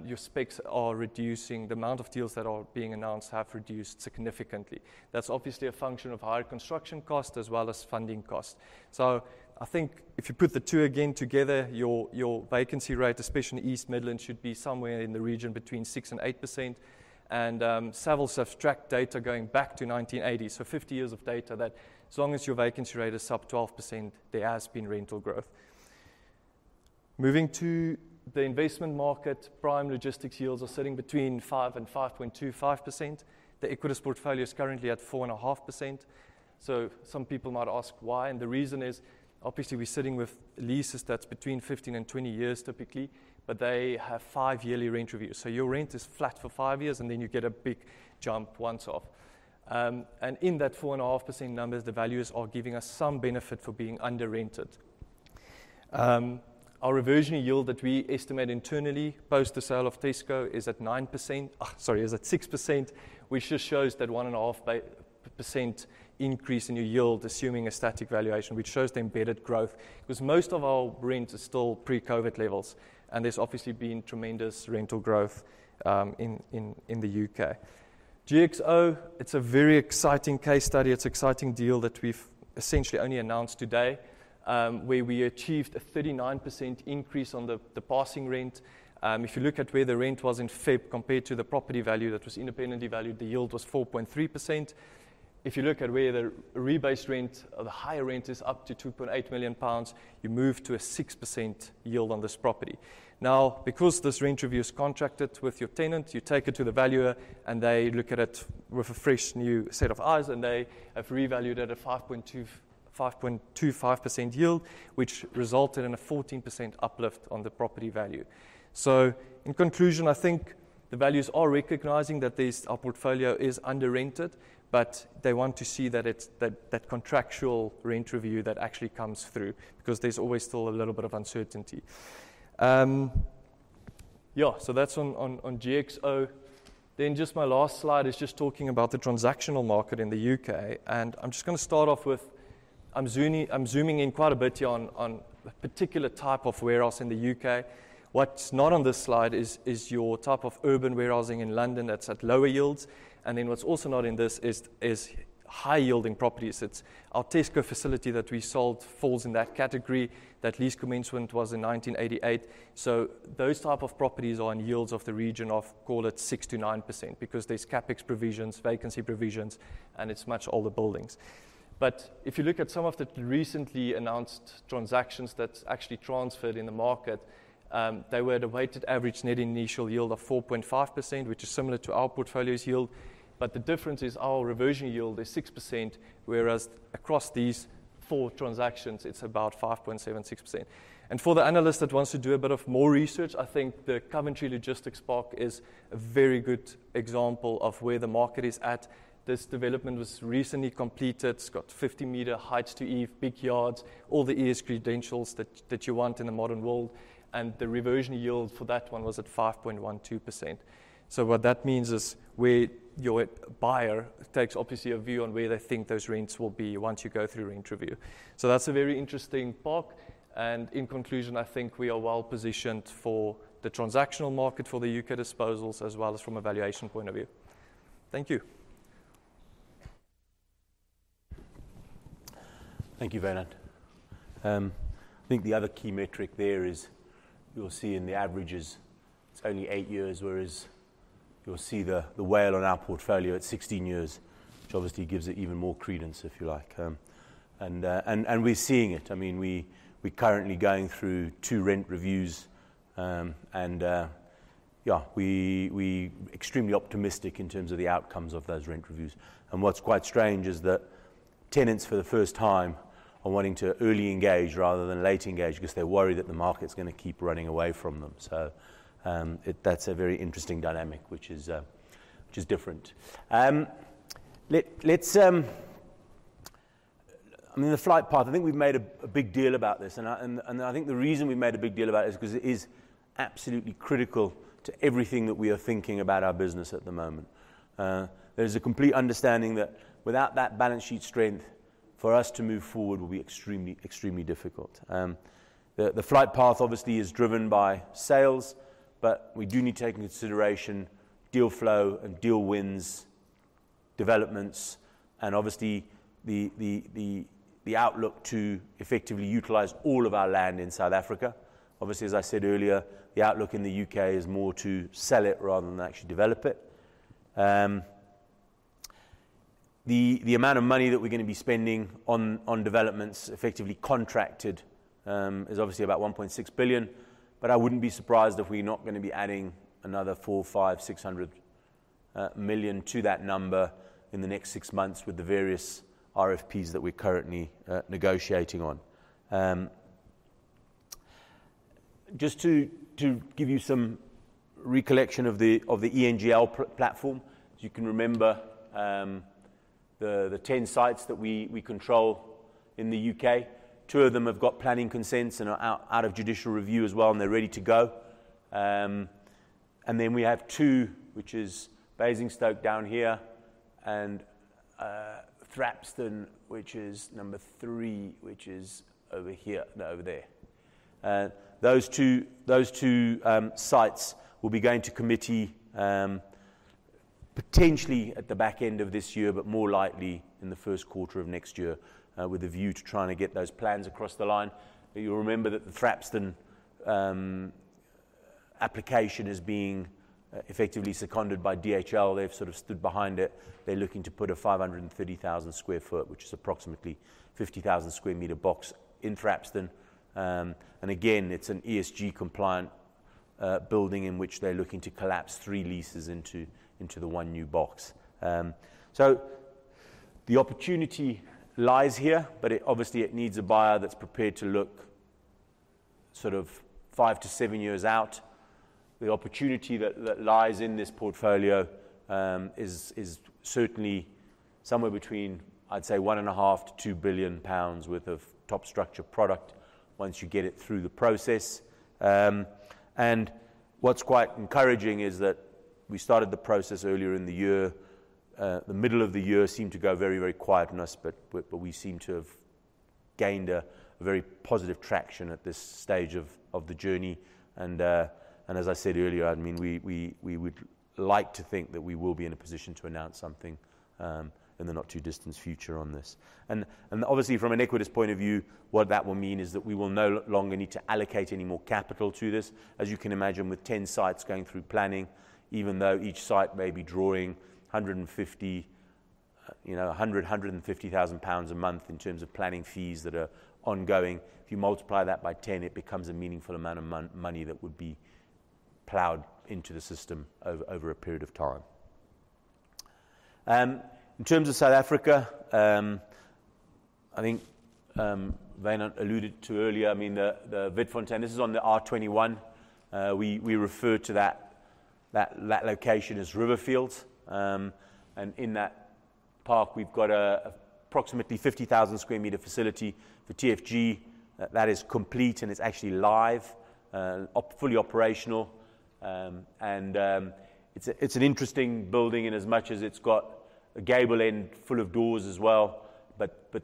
your specs are reducing. The amount of deals that are being announced have reduced significantly. That's obviously a function of higher construction cost as well as funding cost. I think if you put the two again together, your vacancy rate, especially in East Midlands, should be somewhere in the region between 6% and 8%. Savills have tracked data going back to 1980, so 50 years of data that as long as your vacancy rate is sub 12%, there has been rental growth. Moving to the investment market, prime logistics yields are sitting between 5%-5.25%. The Equites portfolio is currently at 4.5%, so some people might ask why and the reason is obviously we're sitting with leases that's between 15-20 years typically but they have five-yearly rent reviews. Your rent is flat for five years and then you get a big jump once off. In that 4.5% numbers, the values are giving us some benefit for being under-rented. Our reversionary yield that we estimate internally post the sale of Tesco is at 9%, sorry, is at 6%, which just shows that 1.5 percentage point increase in your yield, assuming a static valuation, which shows the embedded growth. Because most of our rent is still pre-COVID levels and there's obviously been tremendous rental growth in the U.K. GXO, it's a very exciting case study. It's exciting deal that we've essentially only announced today, where we achieved a 39% increase on the passing rent. If you look at where the rent was in February compared to the property value that was independently valued, the yield was 4.3%. If you look at where the rebased rent or the higher rent is up to 2.8 million pounds, you move to a 6% yield on this property. Now, because this rent review is contracted with your tenant, you take it to the valuer and they look at it with a fresh new set of eyes and they have revalued at a 5.25% yield, which resulted in a 14% uplift on the property value. In conclusion, I think the values are recognizing that this, our portfolio is under-rented but they want to see that it's that contractual rent review that actually comes through, because there's always still a little bit of uncertainty. That's on GXO. My last slide is just talking about the transactional market in the U.K. and I'm just gonna start off with, I'm zooming in quite a bit here on a particular type of warehouse in the U.K. What's not on this slide is your type of urban warehousing in London that's at lower yields. What's also not in this is high-yielding properties. It's our Tesco facility that we sold falls in that category. That lease commencement was in 1988. Those type of properties are on yields of the region of, call it 6%-9% because there's CapEx provisions, vacancy provisions and it's much older buildings. If you look at some of the recently announced transactions that actually transferred in the market, they were at a weighted average net initial yield of 4.5%, which is similar to our portfolio's yield. The difference is our reversion yield is 6%, whereas across these four transactions it's about 5.76%. For the analyst that wants to do a bit of more research, I think the Coventry Logistics Park is a very good example of where the market is at. This development was recently completed. It's got 50-meter heights to eaves, big yards, all the ESG credentials that you want in a modern world. The reversion yield for that one was at 5.12%. What that means is where your buyer takes obviously a view on where they think those rents will be once you go through rent review. That's a very interesting park and in conclusion, I think we are well-positioned for the transactional market for the U.K. disposals, as well as from a valuation point of view. Thank you. Thank you, Werner. I think the other key metric there is you'll see in the averages, it's only eight years, whereas you'll see the WALE on our portfolio, it's 16 years, which obviously gives it even more credence, if you like. We're seeing it. I mean, we're currently going through two rent reviews. Yeah, we're extremely optimistic in terms of the outcomes of those rent reviews. What's quite strange is that tenants for the first time are wanting to early engage rather than late engage because they're worried that the market's gonna keep running away from them. It's a very interesting dynamic, which is different. I mean, the flight path, I think we've made a big deal about this and I think the reason we've made a big deal about it is because it is absolutely critical to everything that we are thinking about our business at the moment. There's a complete understanding that without that balance sheet strength, for us to move forward will be extremely difficult. The flight path obviously is driven by sales but we do need to take into consideration deal flow and deal wins, developments and obviously the outlook to effectively utilize all of our land in South Africa. Obviously, as I said earlier, the outlook in the U.K. is more to sell it rather than actually develop it. The amount of money that we're gonna be spending on developments effectively contracted is obviously about 1.6 billion but I wouldn't be surprised if we're not gonna be adding another 400 million-600 million to that number in the next six months with the various RFPs that we're currently negotiating on. Just to give you some recollection of the Equites Newlands platform. As you can remember, the 10 sites that we control in the U.K., two of them have got planning consents and are out of judicial review as well and they're ready to go. Then we have two, which is Basingstoke down here and Thrapston, which is number three, which is over here, no, over there. Those two sites will be going to committee, potentially at the back end of this year but more likely in the first quarter of next year, with a view to trying to get those plans across the line. You'll remember that the Thrapston application is being effectively seconded by DHL. They've sort of stood behind it. They're looking to put a 530,000 sq ft, which is approximately 50,000 sq m box in Thrapston. Again, it's an ESG-compliant building in which they're looking to collapse three leases into the one new box. The opportunity lies here but it obviously needs a buyer that's prepared to look sort of five-seven years out. The opportunity that lies in this portfolio is certainly somewhere between, I'd say 1.5 billion-2 billion pounds worth of top structure product once you get it through the process. What's quite encouraging is that we started the process earlier in the year. The middle of the year seemed to go very quiet on us but we seem to have gained a very positive traction at this stage of the journey. As I said earlier, I mean, we would like to think that we will be in a position to announce something in the not-too-distant future on this. Obviously from an Equites point of view, what that will mean is that we will no longer need to allocate any more capital to this. As you can imagine, with 10 sites going through planning, even though each site may be drawing 150,000, you know, a month in terms of planning fees that are ongoing. If you multiply that by 10, it becomes a meaningful amount of money that would be plowed into the system over a period of time. In terms of South Africa, I think Werner alluded to earlier, I mean, the Witfontein, this is on the R21. We refer to that location as Riverfields. And in that park, we've got approximately 50,000 sq m facility for TFG that is complete and is actually live, fully operational. And it's an interesting building in as much as it's got a gable end full of doors as well.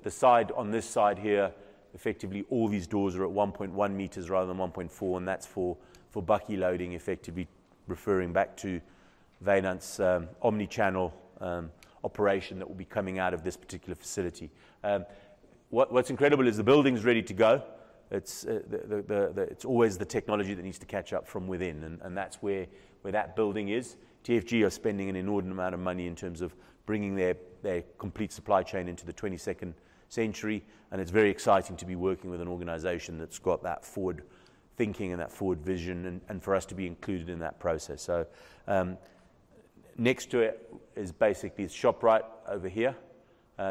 The side, on this side here, effectively all these doors are at 1.1 meters rather than 1.4 and that's for bulk loading, effectively referring back to Werner's omnichannel operation that will be coming out of this particular facility. What's incredible is the building's ready to go. It's the technology that needs to catch up from within and that's where that building is. TFG are spending an inordinate amount of money in terms of bringing their complete supply chain into the 22nd century and it's very exciting to be working with an organization that's got that forward thinking and that forward vision and for us to be included in that process. Next to it is basically Shoprite over here.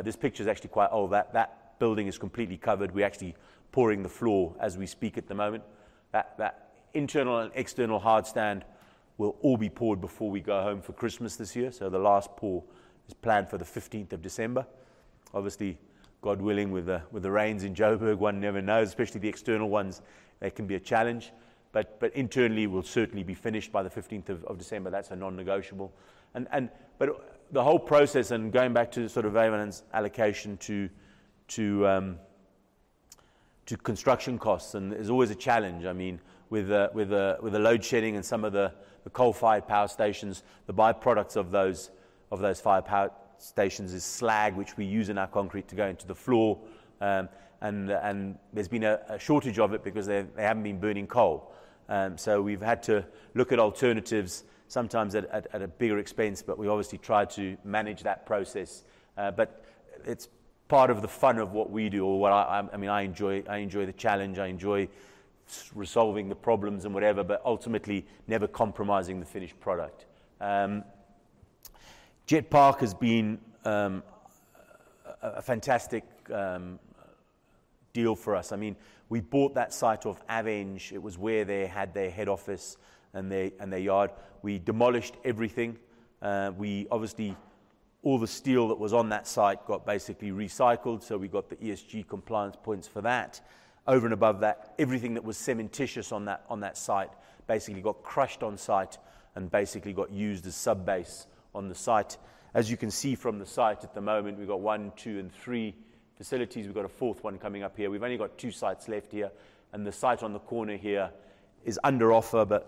This picture is actually quite old. That building is completely covered. We're actually pouring the floor as we speak at the moment. That internal and external hardstand will all be poured before we go home for Christmas this year, so the last pour is planned for the 15 December. Obviously, God willing, with the rains in Joburg, one never knows, especially the external ones. It can be a challenge. Internally, we'll certainly be finished by the 15 December. That's a non-negotiable. The whole process, going back to sort of Werner's allocation to construction costs and it is always a challenge. I mean, with the load shedding and some of the coal-fired power stations, the byproducts of those coal-fired power stations is slag, which we use in our concrete to go into the floor. There's been a shortage of it because they haven't been burning coal. We've had to look at alternatives, sometimes at a bigger expense but we obviously try to manage that process. It's part of the fun of what we do or what I mean. I enjoy the challenge, I enjoy solving the problems and whatever but ultimately never compromising the finished product. Jet Park has been a fantastic deal for us. I mean, we bought that site off Aveng. It was where they had their head office and their yard. We demolished everything. We obviously all the steel that was on that site got basically recycled, so we got the ESG compliance points for that. Over and above that, everything that was cementitious on that site basically got crushed on-site and basically got used as subbase on the site. As you can see from the site at the moment, we've got one, two and three facilities. We've got a fourth one coming up here. We've only got two sites left here and the site on the corner here is under offer.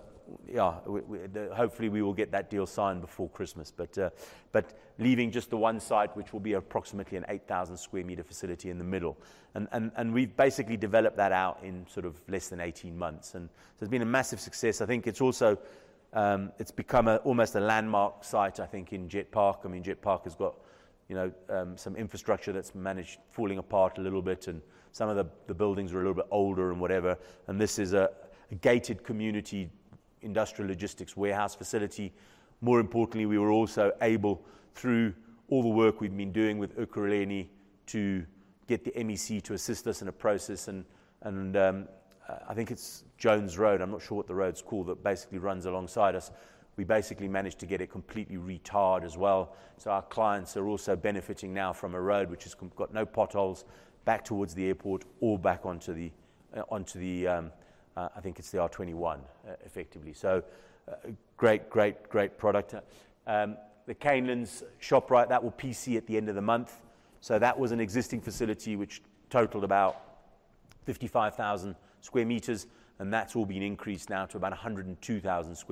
Hopefully, we will get that deal signed before Christmas. But leaving just the one site, which will be approximately an 8,000 sq m facility in the middle. We've basically developed that out in sort of less than 18 months and so it's been a massive success. I think it's also become almost a landmark site, I think, in Jet Park. I mean, Jet Park has got, you know, some infrastructure that's managed, falling apart a little bit and some of the buildings are a little bit older and whatever. This is a gated community industrial logistics warehouse facility. More importantly, we were also able through all the work we've been doing with Ekurhuleni to get the MEC to assist us in a process and I think it's Jones Road, I'm not sure what the road's called, that basically runs alongside us. We basically managed to get it completely retarred as well. Our clients are also benefiting now from a road which has got no potholes back towards the airport or back onto the R21, effectively. A great product. The Cilmor's Shoprite, that will PC at the end of the month. That was an existing facility which totaled about 55,000 sq m and that's all been increased now to about 102,000 sq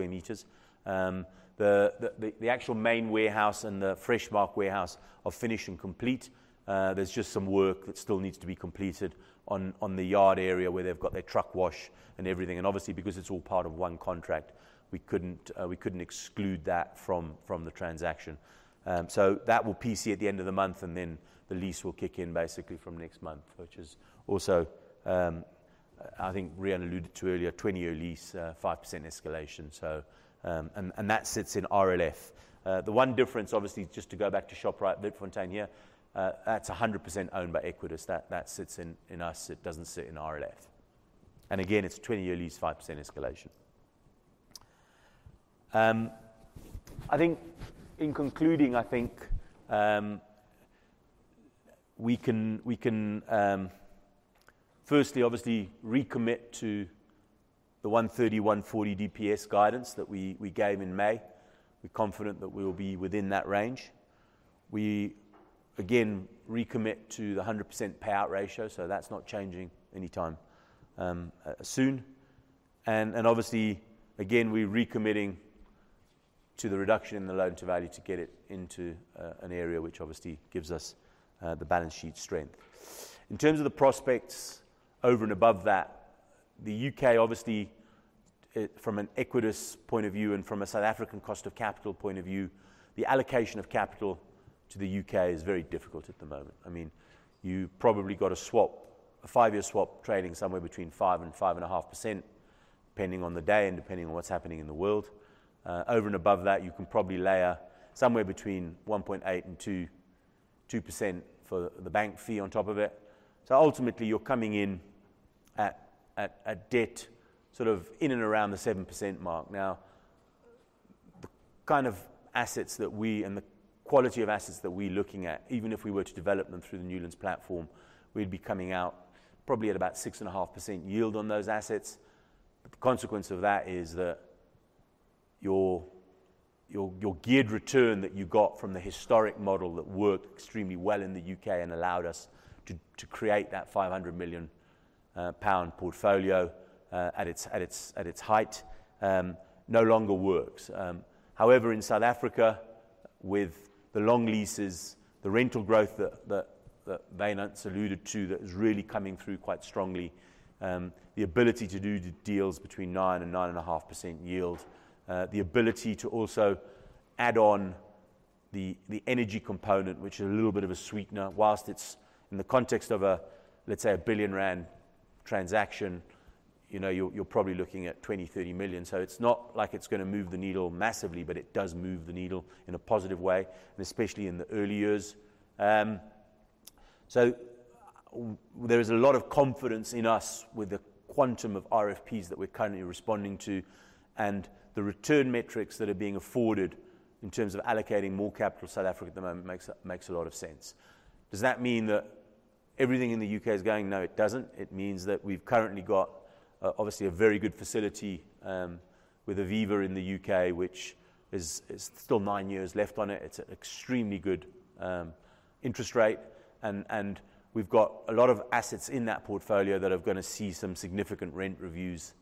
m. The actual main warehouse and the Freshmark warehouse are finished and complete. There's just some work that still needs to be completed on the yard area where they've got their truck wash and everything. Obviously, because it's all part of one contract, we couldn't exclude that from the transaction. That will PC at the end of the month and then the lease will kick in basically from next month, which is also, I think Riaan alluded to earlier, 20-year lease, 5% escalation. That sits in RLF. The one difference, obviously, just to go back to Shoprite Witfontein here, that's 100% owned by Equites. That sits in us. It doesn't sit in RLF. Again, it's a 20-year lease, 5% escalation. I think in concluding, we can firstly, obviously recommit to the 130-140 DPS guidance that we gave in May. We're confident that we'll be within that range. We again recommit to the 100% payout ratio, so that's not changing any time soon. Obviously, again, we're recommitting to the reduction in the loan-to-value to get it into an area which obviously gives us the balance sheet strength. In terms of the prospects over and above that, the U.K. obviously, from an Equites point of view and from a South African cost of capital point of view, the allocation of capital to the U.K. is very difficult at the moment. I mean, you probably got a swap, a five-year swap trading somewhere between 5%-5.5%, depending on the day and depending on what's happening in the world. Over and above that, you can probably layer somewhere between 1.8%-2% for the bank fee on top of it. Ultimately, you're coming in at debt sort of in and around the 7% mark. Now, the kind of assets that we and the quality of assets that we're looking at, even if we were to develop them through the Newlands platform, we'd be coming out probably at about 6.5% yield on those assets. The consequence of that is that your geared return that you got from the historic model that worked extremely well in the U.K. and allowed us to create that 500 million pound portfolio at its height no longer works. However, in South Africa, with the long leases, the rental growth that Werner has alluded to that is really coming through quite strongly, the ability to do deals between 9%-9.5% yield. The ability to also add on the energy component, which is a little bit of a sweetener, while it's in the context of a, let's say, 1 billion rand transaction, you know, you're probably looking at 20 million-30 million. So it's not like it's gonna move the needle massively but it does move the needle in a positive way and especially in the early years. There is a lot of confidence in us with the quantum of RFPs that we're currently responding to and the return metrics that are being afforded in terms of allocating more capital to South Africa at the moment makes a lot of sense. Does that mean that everything in the U.K. is going? No, it doesn't. It means that we've currently got obviously a very good facility with Aviva in the U.K., which is still nine years left on it. It's an extremely good interest rate. We've got a lot of assets in that portfolio that are gonna see some significant rent reviews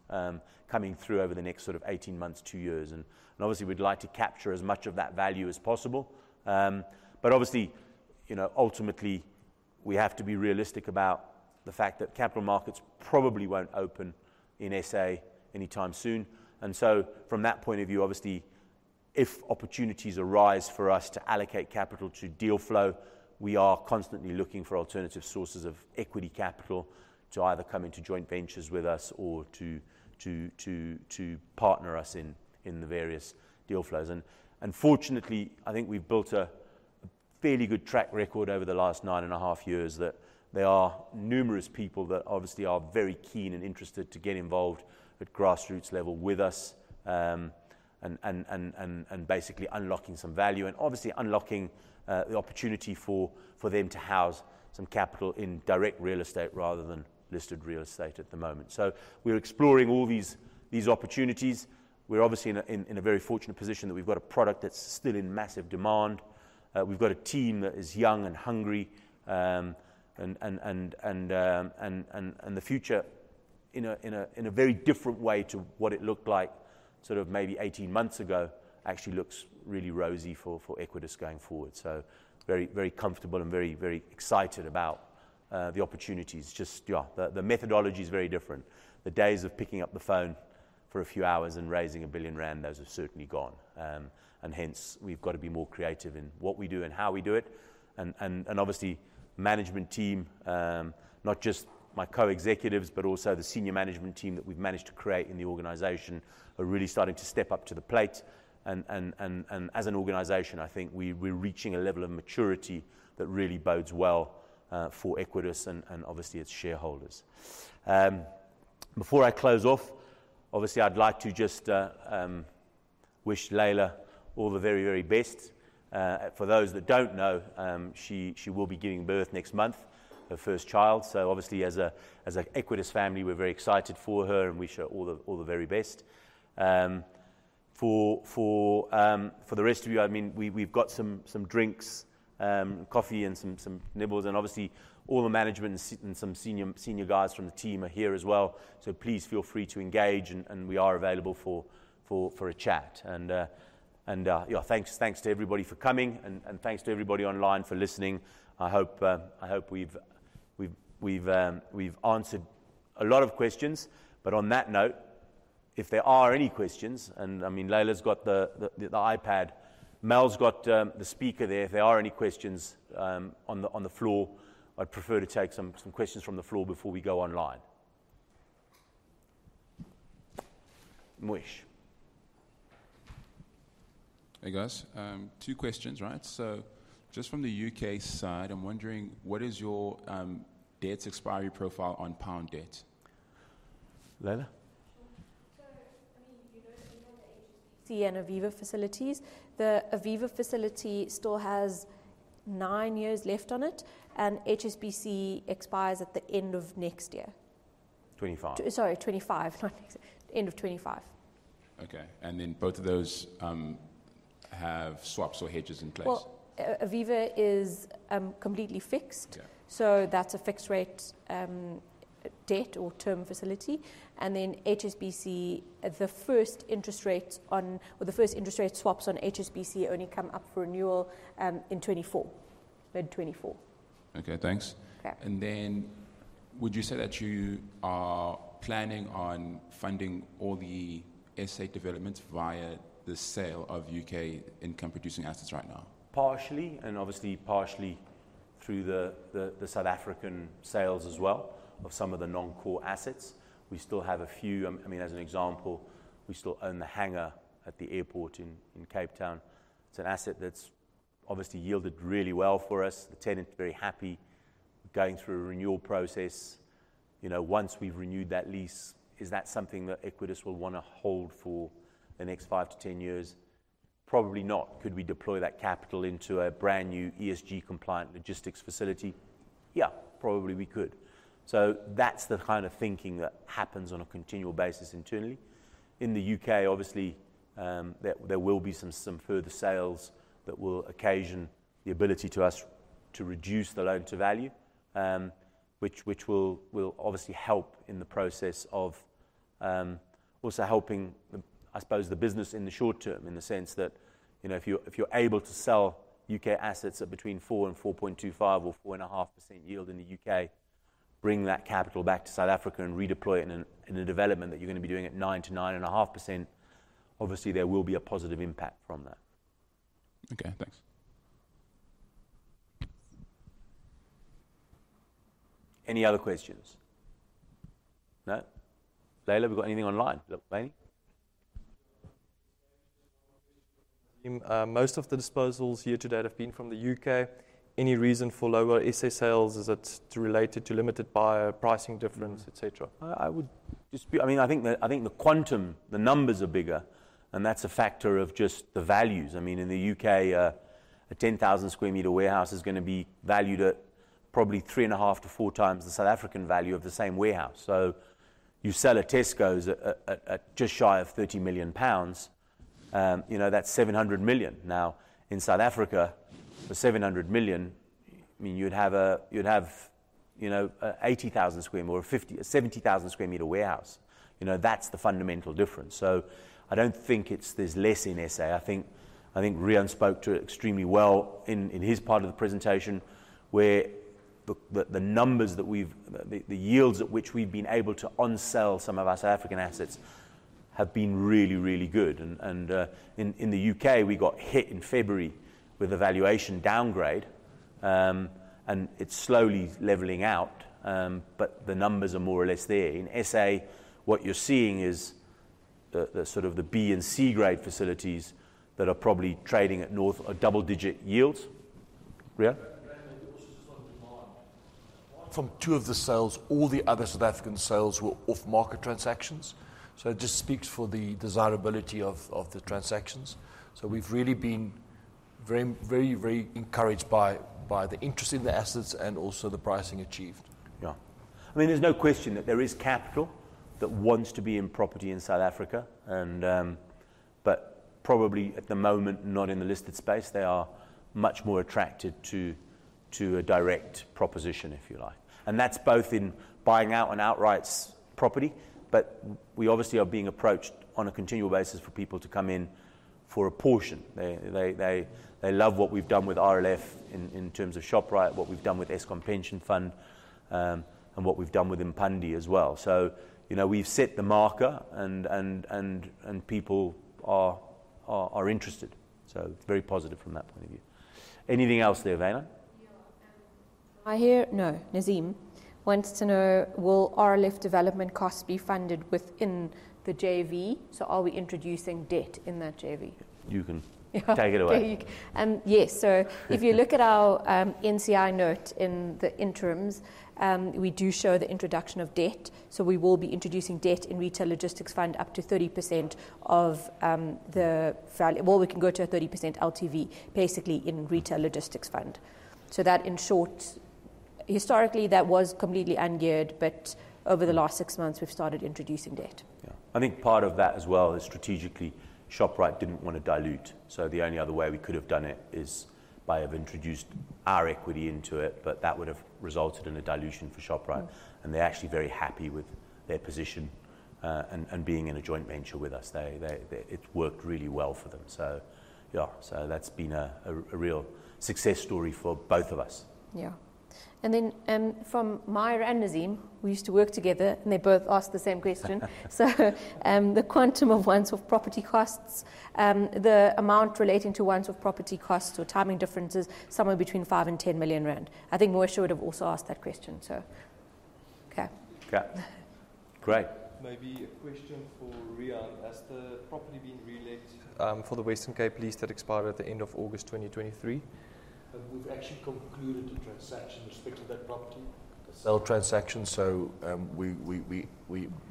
coming through over the next sort of 18 months, two years. Obviously, we'd like to capture as much of that value as possible. Obviously, you know, ultimately, we have to be realistic about the fact that capital markets probably won't open in SA anytime soon. From that point of view, obviously, if opportunities arise for us to allocate capital to deal flow, we are constantly looking for alternative sources of equity capital to either come into joint ventures with us or to partner us in the various deal flows. Fortunately, I think we've built a fairly good track record over the last nine and a half years that there are numerous people that obviously are very keen and interested to get involved at grassroots level with us and basically unlocking some value. Obviously unlocking the opportunity for them to house some capital in direct real estate rather than listed real estate at the moment. We're exploring all these opportunities. We're obviously in a very fortunate position that we've got a product that's still in massive demand. We've got a team that is young and hungry and the future in a very different way to what it looked like sort of maybe 18 months ago actually looks really rosy for Equites going forward. Very, very comfortable and very, very excited about the opportunities. Just ja, the methodology is very different. The days of picking up the phone for a few hours and raising 1 billion rand, those are certainly gone. Hence, we've got to be more creative in what we do and how we do it. Obviously, management team, not just my co-executives but also the senior management team that we've managed to create in the organization are really starting to step up to the plate. As an organization, I think we're reaching a level of maturity that really bodes well for Equites and obviously its shareholders. Before I close off, obviously, I'd like to just wish Laila all the very best. For those that don't know, she will be giving birth next month, her first child. Obviously, as an Equites family, we're very excited for her and we wish her all the very best. For the rest of you, I mean, we've got some drinks, coffee and some nibbles. Obviously, all the management and some senior guys from the team are here as well. Please feel free to engage and we are available for a chat. Yeah, thanks to everybody for coming and thanks to everybody online for listening. I hope we've answered a lot of questions. On that note, if there are any questions, I mean, Laila's got the iPad. Mel's got the speaker there. If there are any questions on the floor, I'd prefer to take some questions from the floor before we go online. Moesh. Hey, guys. Two questions, right? Just from the U.K. side, I'm wondering what is your debt's expiry profile on pound debt? Laila. Sure. I mean, you know, we have the HSBC and Aviva facilities. The Aviva facility still has nine years left on it and HSBC expires at the end of next year. 2025. Sorry, 2025. Not next year, end of 2025. Okay. Both of those have swaps or hedges in place? Well, Aviva is completely fixed. That's a fixed rate debt or term facility. Then HSBC, the first interest rate swaps on HSBC only come up for renewal in 2024. Mid-2024. Okay, thanks. Would you say that you are planning on funding all the estate developments via the sale of U.K. income producing assets right now? Partially and obviously partially through the South African sales as well of some of the non-core assets. We still have a few. I mean, as an example, we still own the hangar at the airport in Cape Town. It's an asset that's obviously yielded really well for us. The tenant's very happy. Going through a renewal process. You know, once we've renewed that lease, is that something that Equites will wanna hold for the next 5-10 years? Probably not. Could we deploy that capital into a brand-new ESG compliant logistics facility? Yeah, probably we could. So that's the kind of thinking that happens on a continual basis internally. In the U.K., obviously, there will be some further sales that will occasion the ability for us to reduce the loan to value, which will obviously help in the process of also helping the, I suppose the business in the short term, in the sense that, you know, if you're able to sell U.K. assets at between 4% and 4.25% or 4.5% yield in the U.K., bring that capital back to South Africa and redeploy it in a development that you're gonna be doing at 9%-9.5%, obviously there will be a positive impact from that. Okay, thanks. Any other questions? No. Laila, have we got anything online? Look, van. Most of the disposals here today have been from the U.K. Any reason for lower SA sales? Is it related to limited buyer, pricing difference, et cetera? I would dispute. I mean, I think the quantum, the numbers are bigger and that's a factor of just the values. I mean, in the U.K., a 10,000-sq m warehouse is gonna be valued at probably 3.5-4 times the South African value of the same warehouse. You sell a Tesco's at just shy of 30 million pounds, you know, that's 700 million. Now, in South Africa, for 700 million, I mean, you'd have a 80,000 sq m or 50-70,000-sq m warehouse. You know, that's the fundamental difference. I don't think it's that there's less in SA. I think Riaan spoke to it extremely well in his part of the presentation, where the numbers that we've. The yields at which we've been able to on sell some of our South African assets have been really good. In the U.K., we got hit in February with a valuation downgrade. It's slowly leveling out but the numbers are more or less there. In SA, what you're seeing is the sort of B and C grade facilities that are probably trading at north of double-digit yields. Riaan? From two of the sales, all the other South African sales were off-market transactions. It just speaks for the desirability of the transactions. We've really been very encouraged by the interest in the assets and also the pricing achieved. Yeah. I mean, there's no question that there is capital that wants to be in property in South Africa and but probably at the moment, not in the listed space. They are much more attracted to a direct proposition, if you like. That's both in buying out an outright property but we obviously are being approached on a continual basis for people to come in for a portion. They love what we've done with RLF in terms of Shoprite, what we've done with Eskom Pension Fund and what we've done with Imbali as well. You know, we've set the marker and people are interested. Very positive from that point of view. Anything else there, Laila? Nazeem wants to know, will RLF development costs be funded within the JV? Are we introducing debt in that JV? You can take it away. Yeah. Take it. Yes. If you look at our NCI note in the interims, we do show the introduction of debt. We will be introducing debt in Retail Logistics Fund up to 30% of the value. Well, we can go to a 30% LTV basically in Retail Logistics Fund. That, in short, historically, that was completely ungeared but over the last six months, we've started introducing debt. Yeah. I think part of that as well is strategically Shoprite didn't wanna dilute. The only other way we could have done it is by have introduced our equity into it but that would have resulted in a dilution for Shoprite. They're actually very happy with their position and being in a joint venture with us. It's worked really well for them. Yeah. That's been a real success story for both of us. Yeah. From [Maira] and Nazeem, we used to work together and they both asked the same question. The quantum of one-offs with property costs, the amount relating to one-offs with property costs or timing differences, somewhere between 5 million-10 million rand. I think Moesh would have also asked that question. Okay. Okay. Great. Maybe a question for Riaan. Has the property been relet for the Western Cape lease that expired at the end of August 2023? We've actually concluded the transaction with respect to that property sale transaction, so we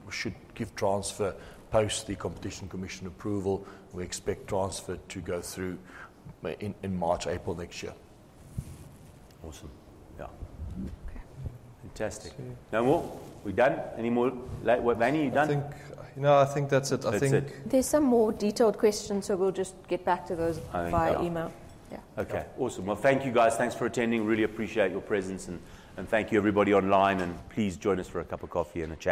should give transfer post the Competition Commission approval. We expect transfer to go through in March, April next year. Awesome. Yeah. Okay. Fantastic. No more? We done? Any more? Vanny, you done? No, I think that's it. That's it. There's some more detailed questions, so we'll just get back to those via email. Okay. Awesome. Well, thank you guys. Thanks for attending. Really appreciate your presence and thank you everybody online and please join us for a cup of coffee and a chat.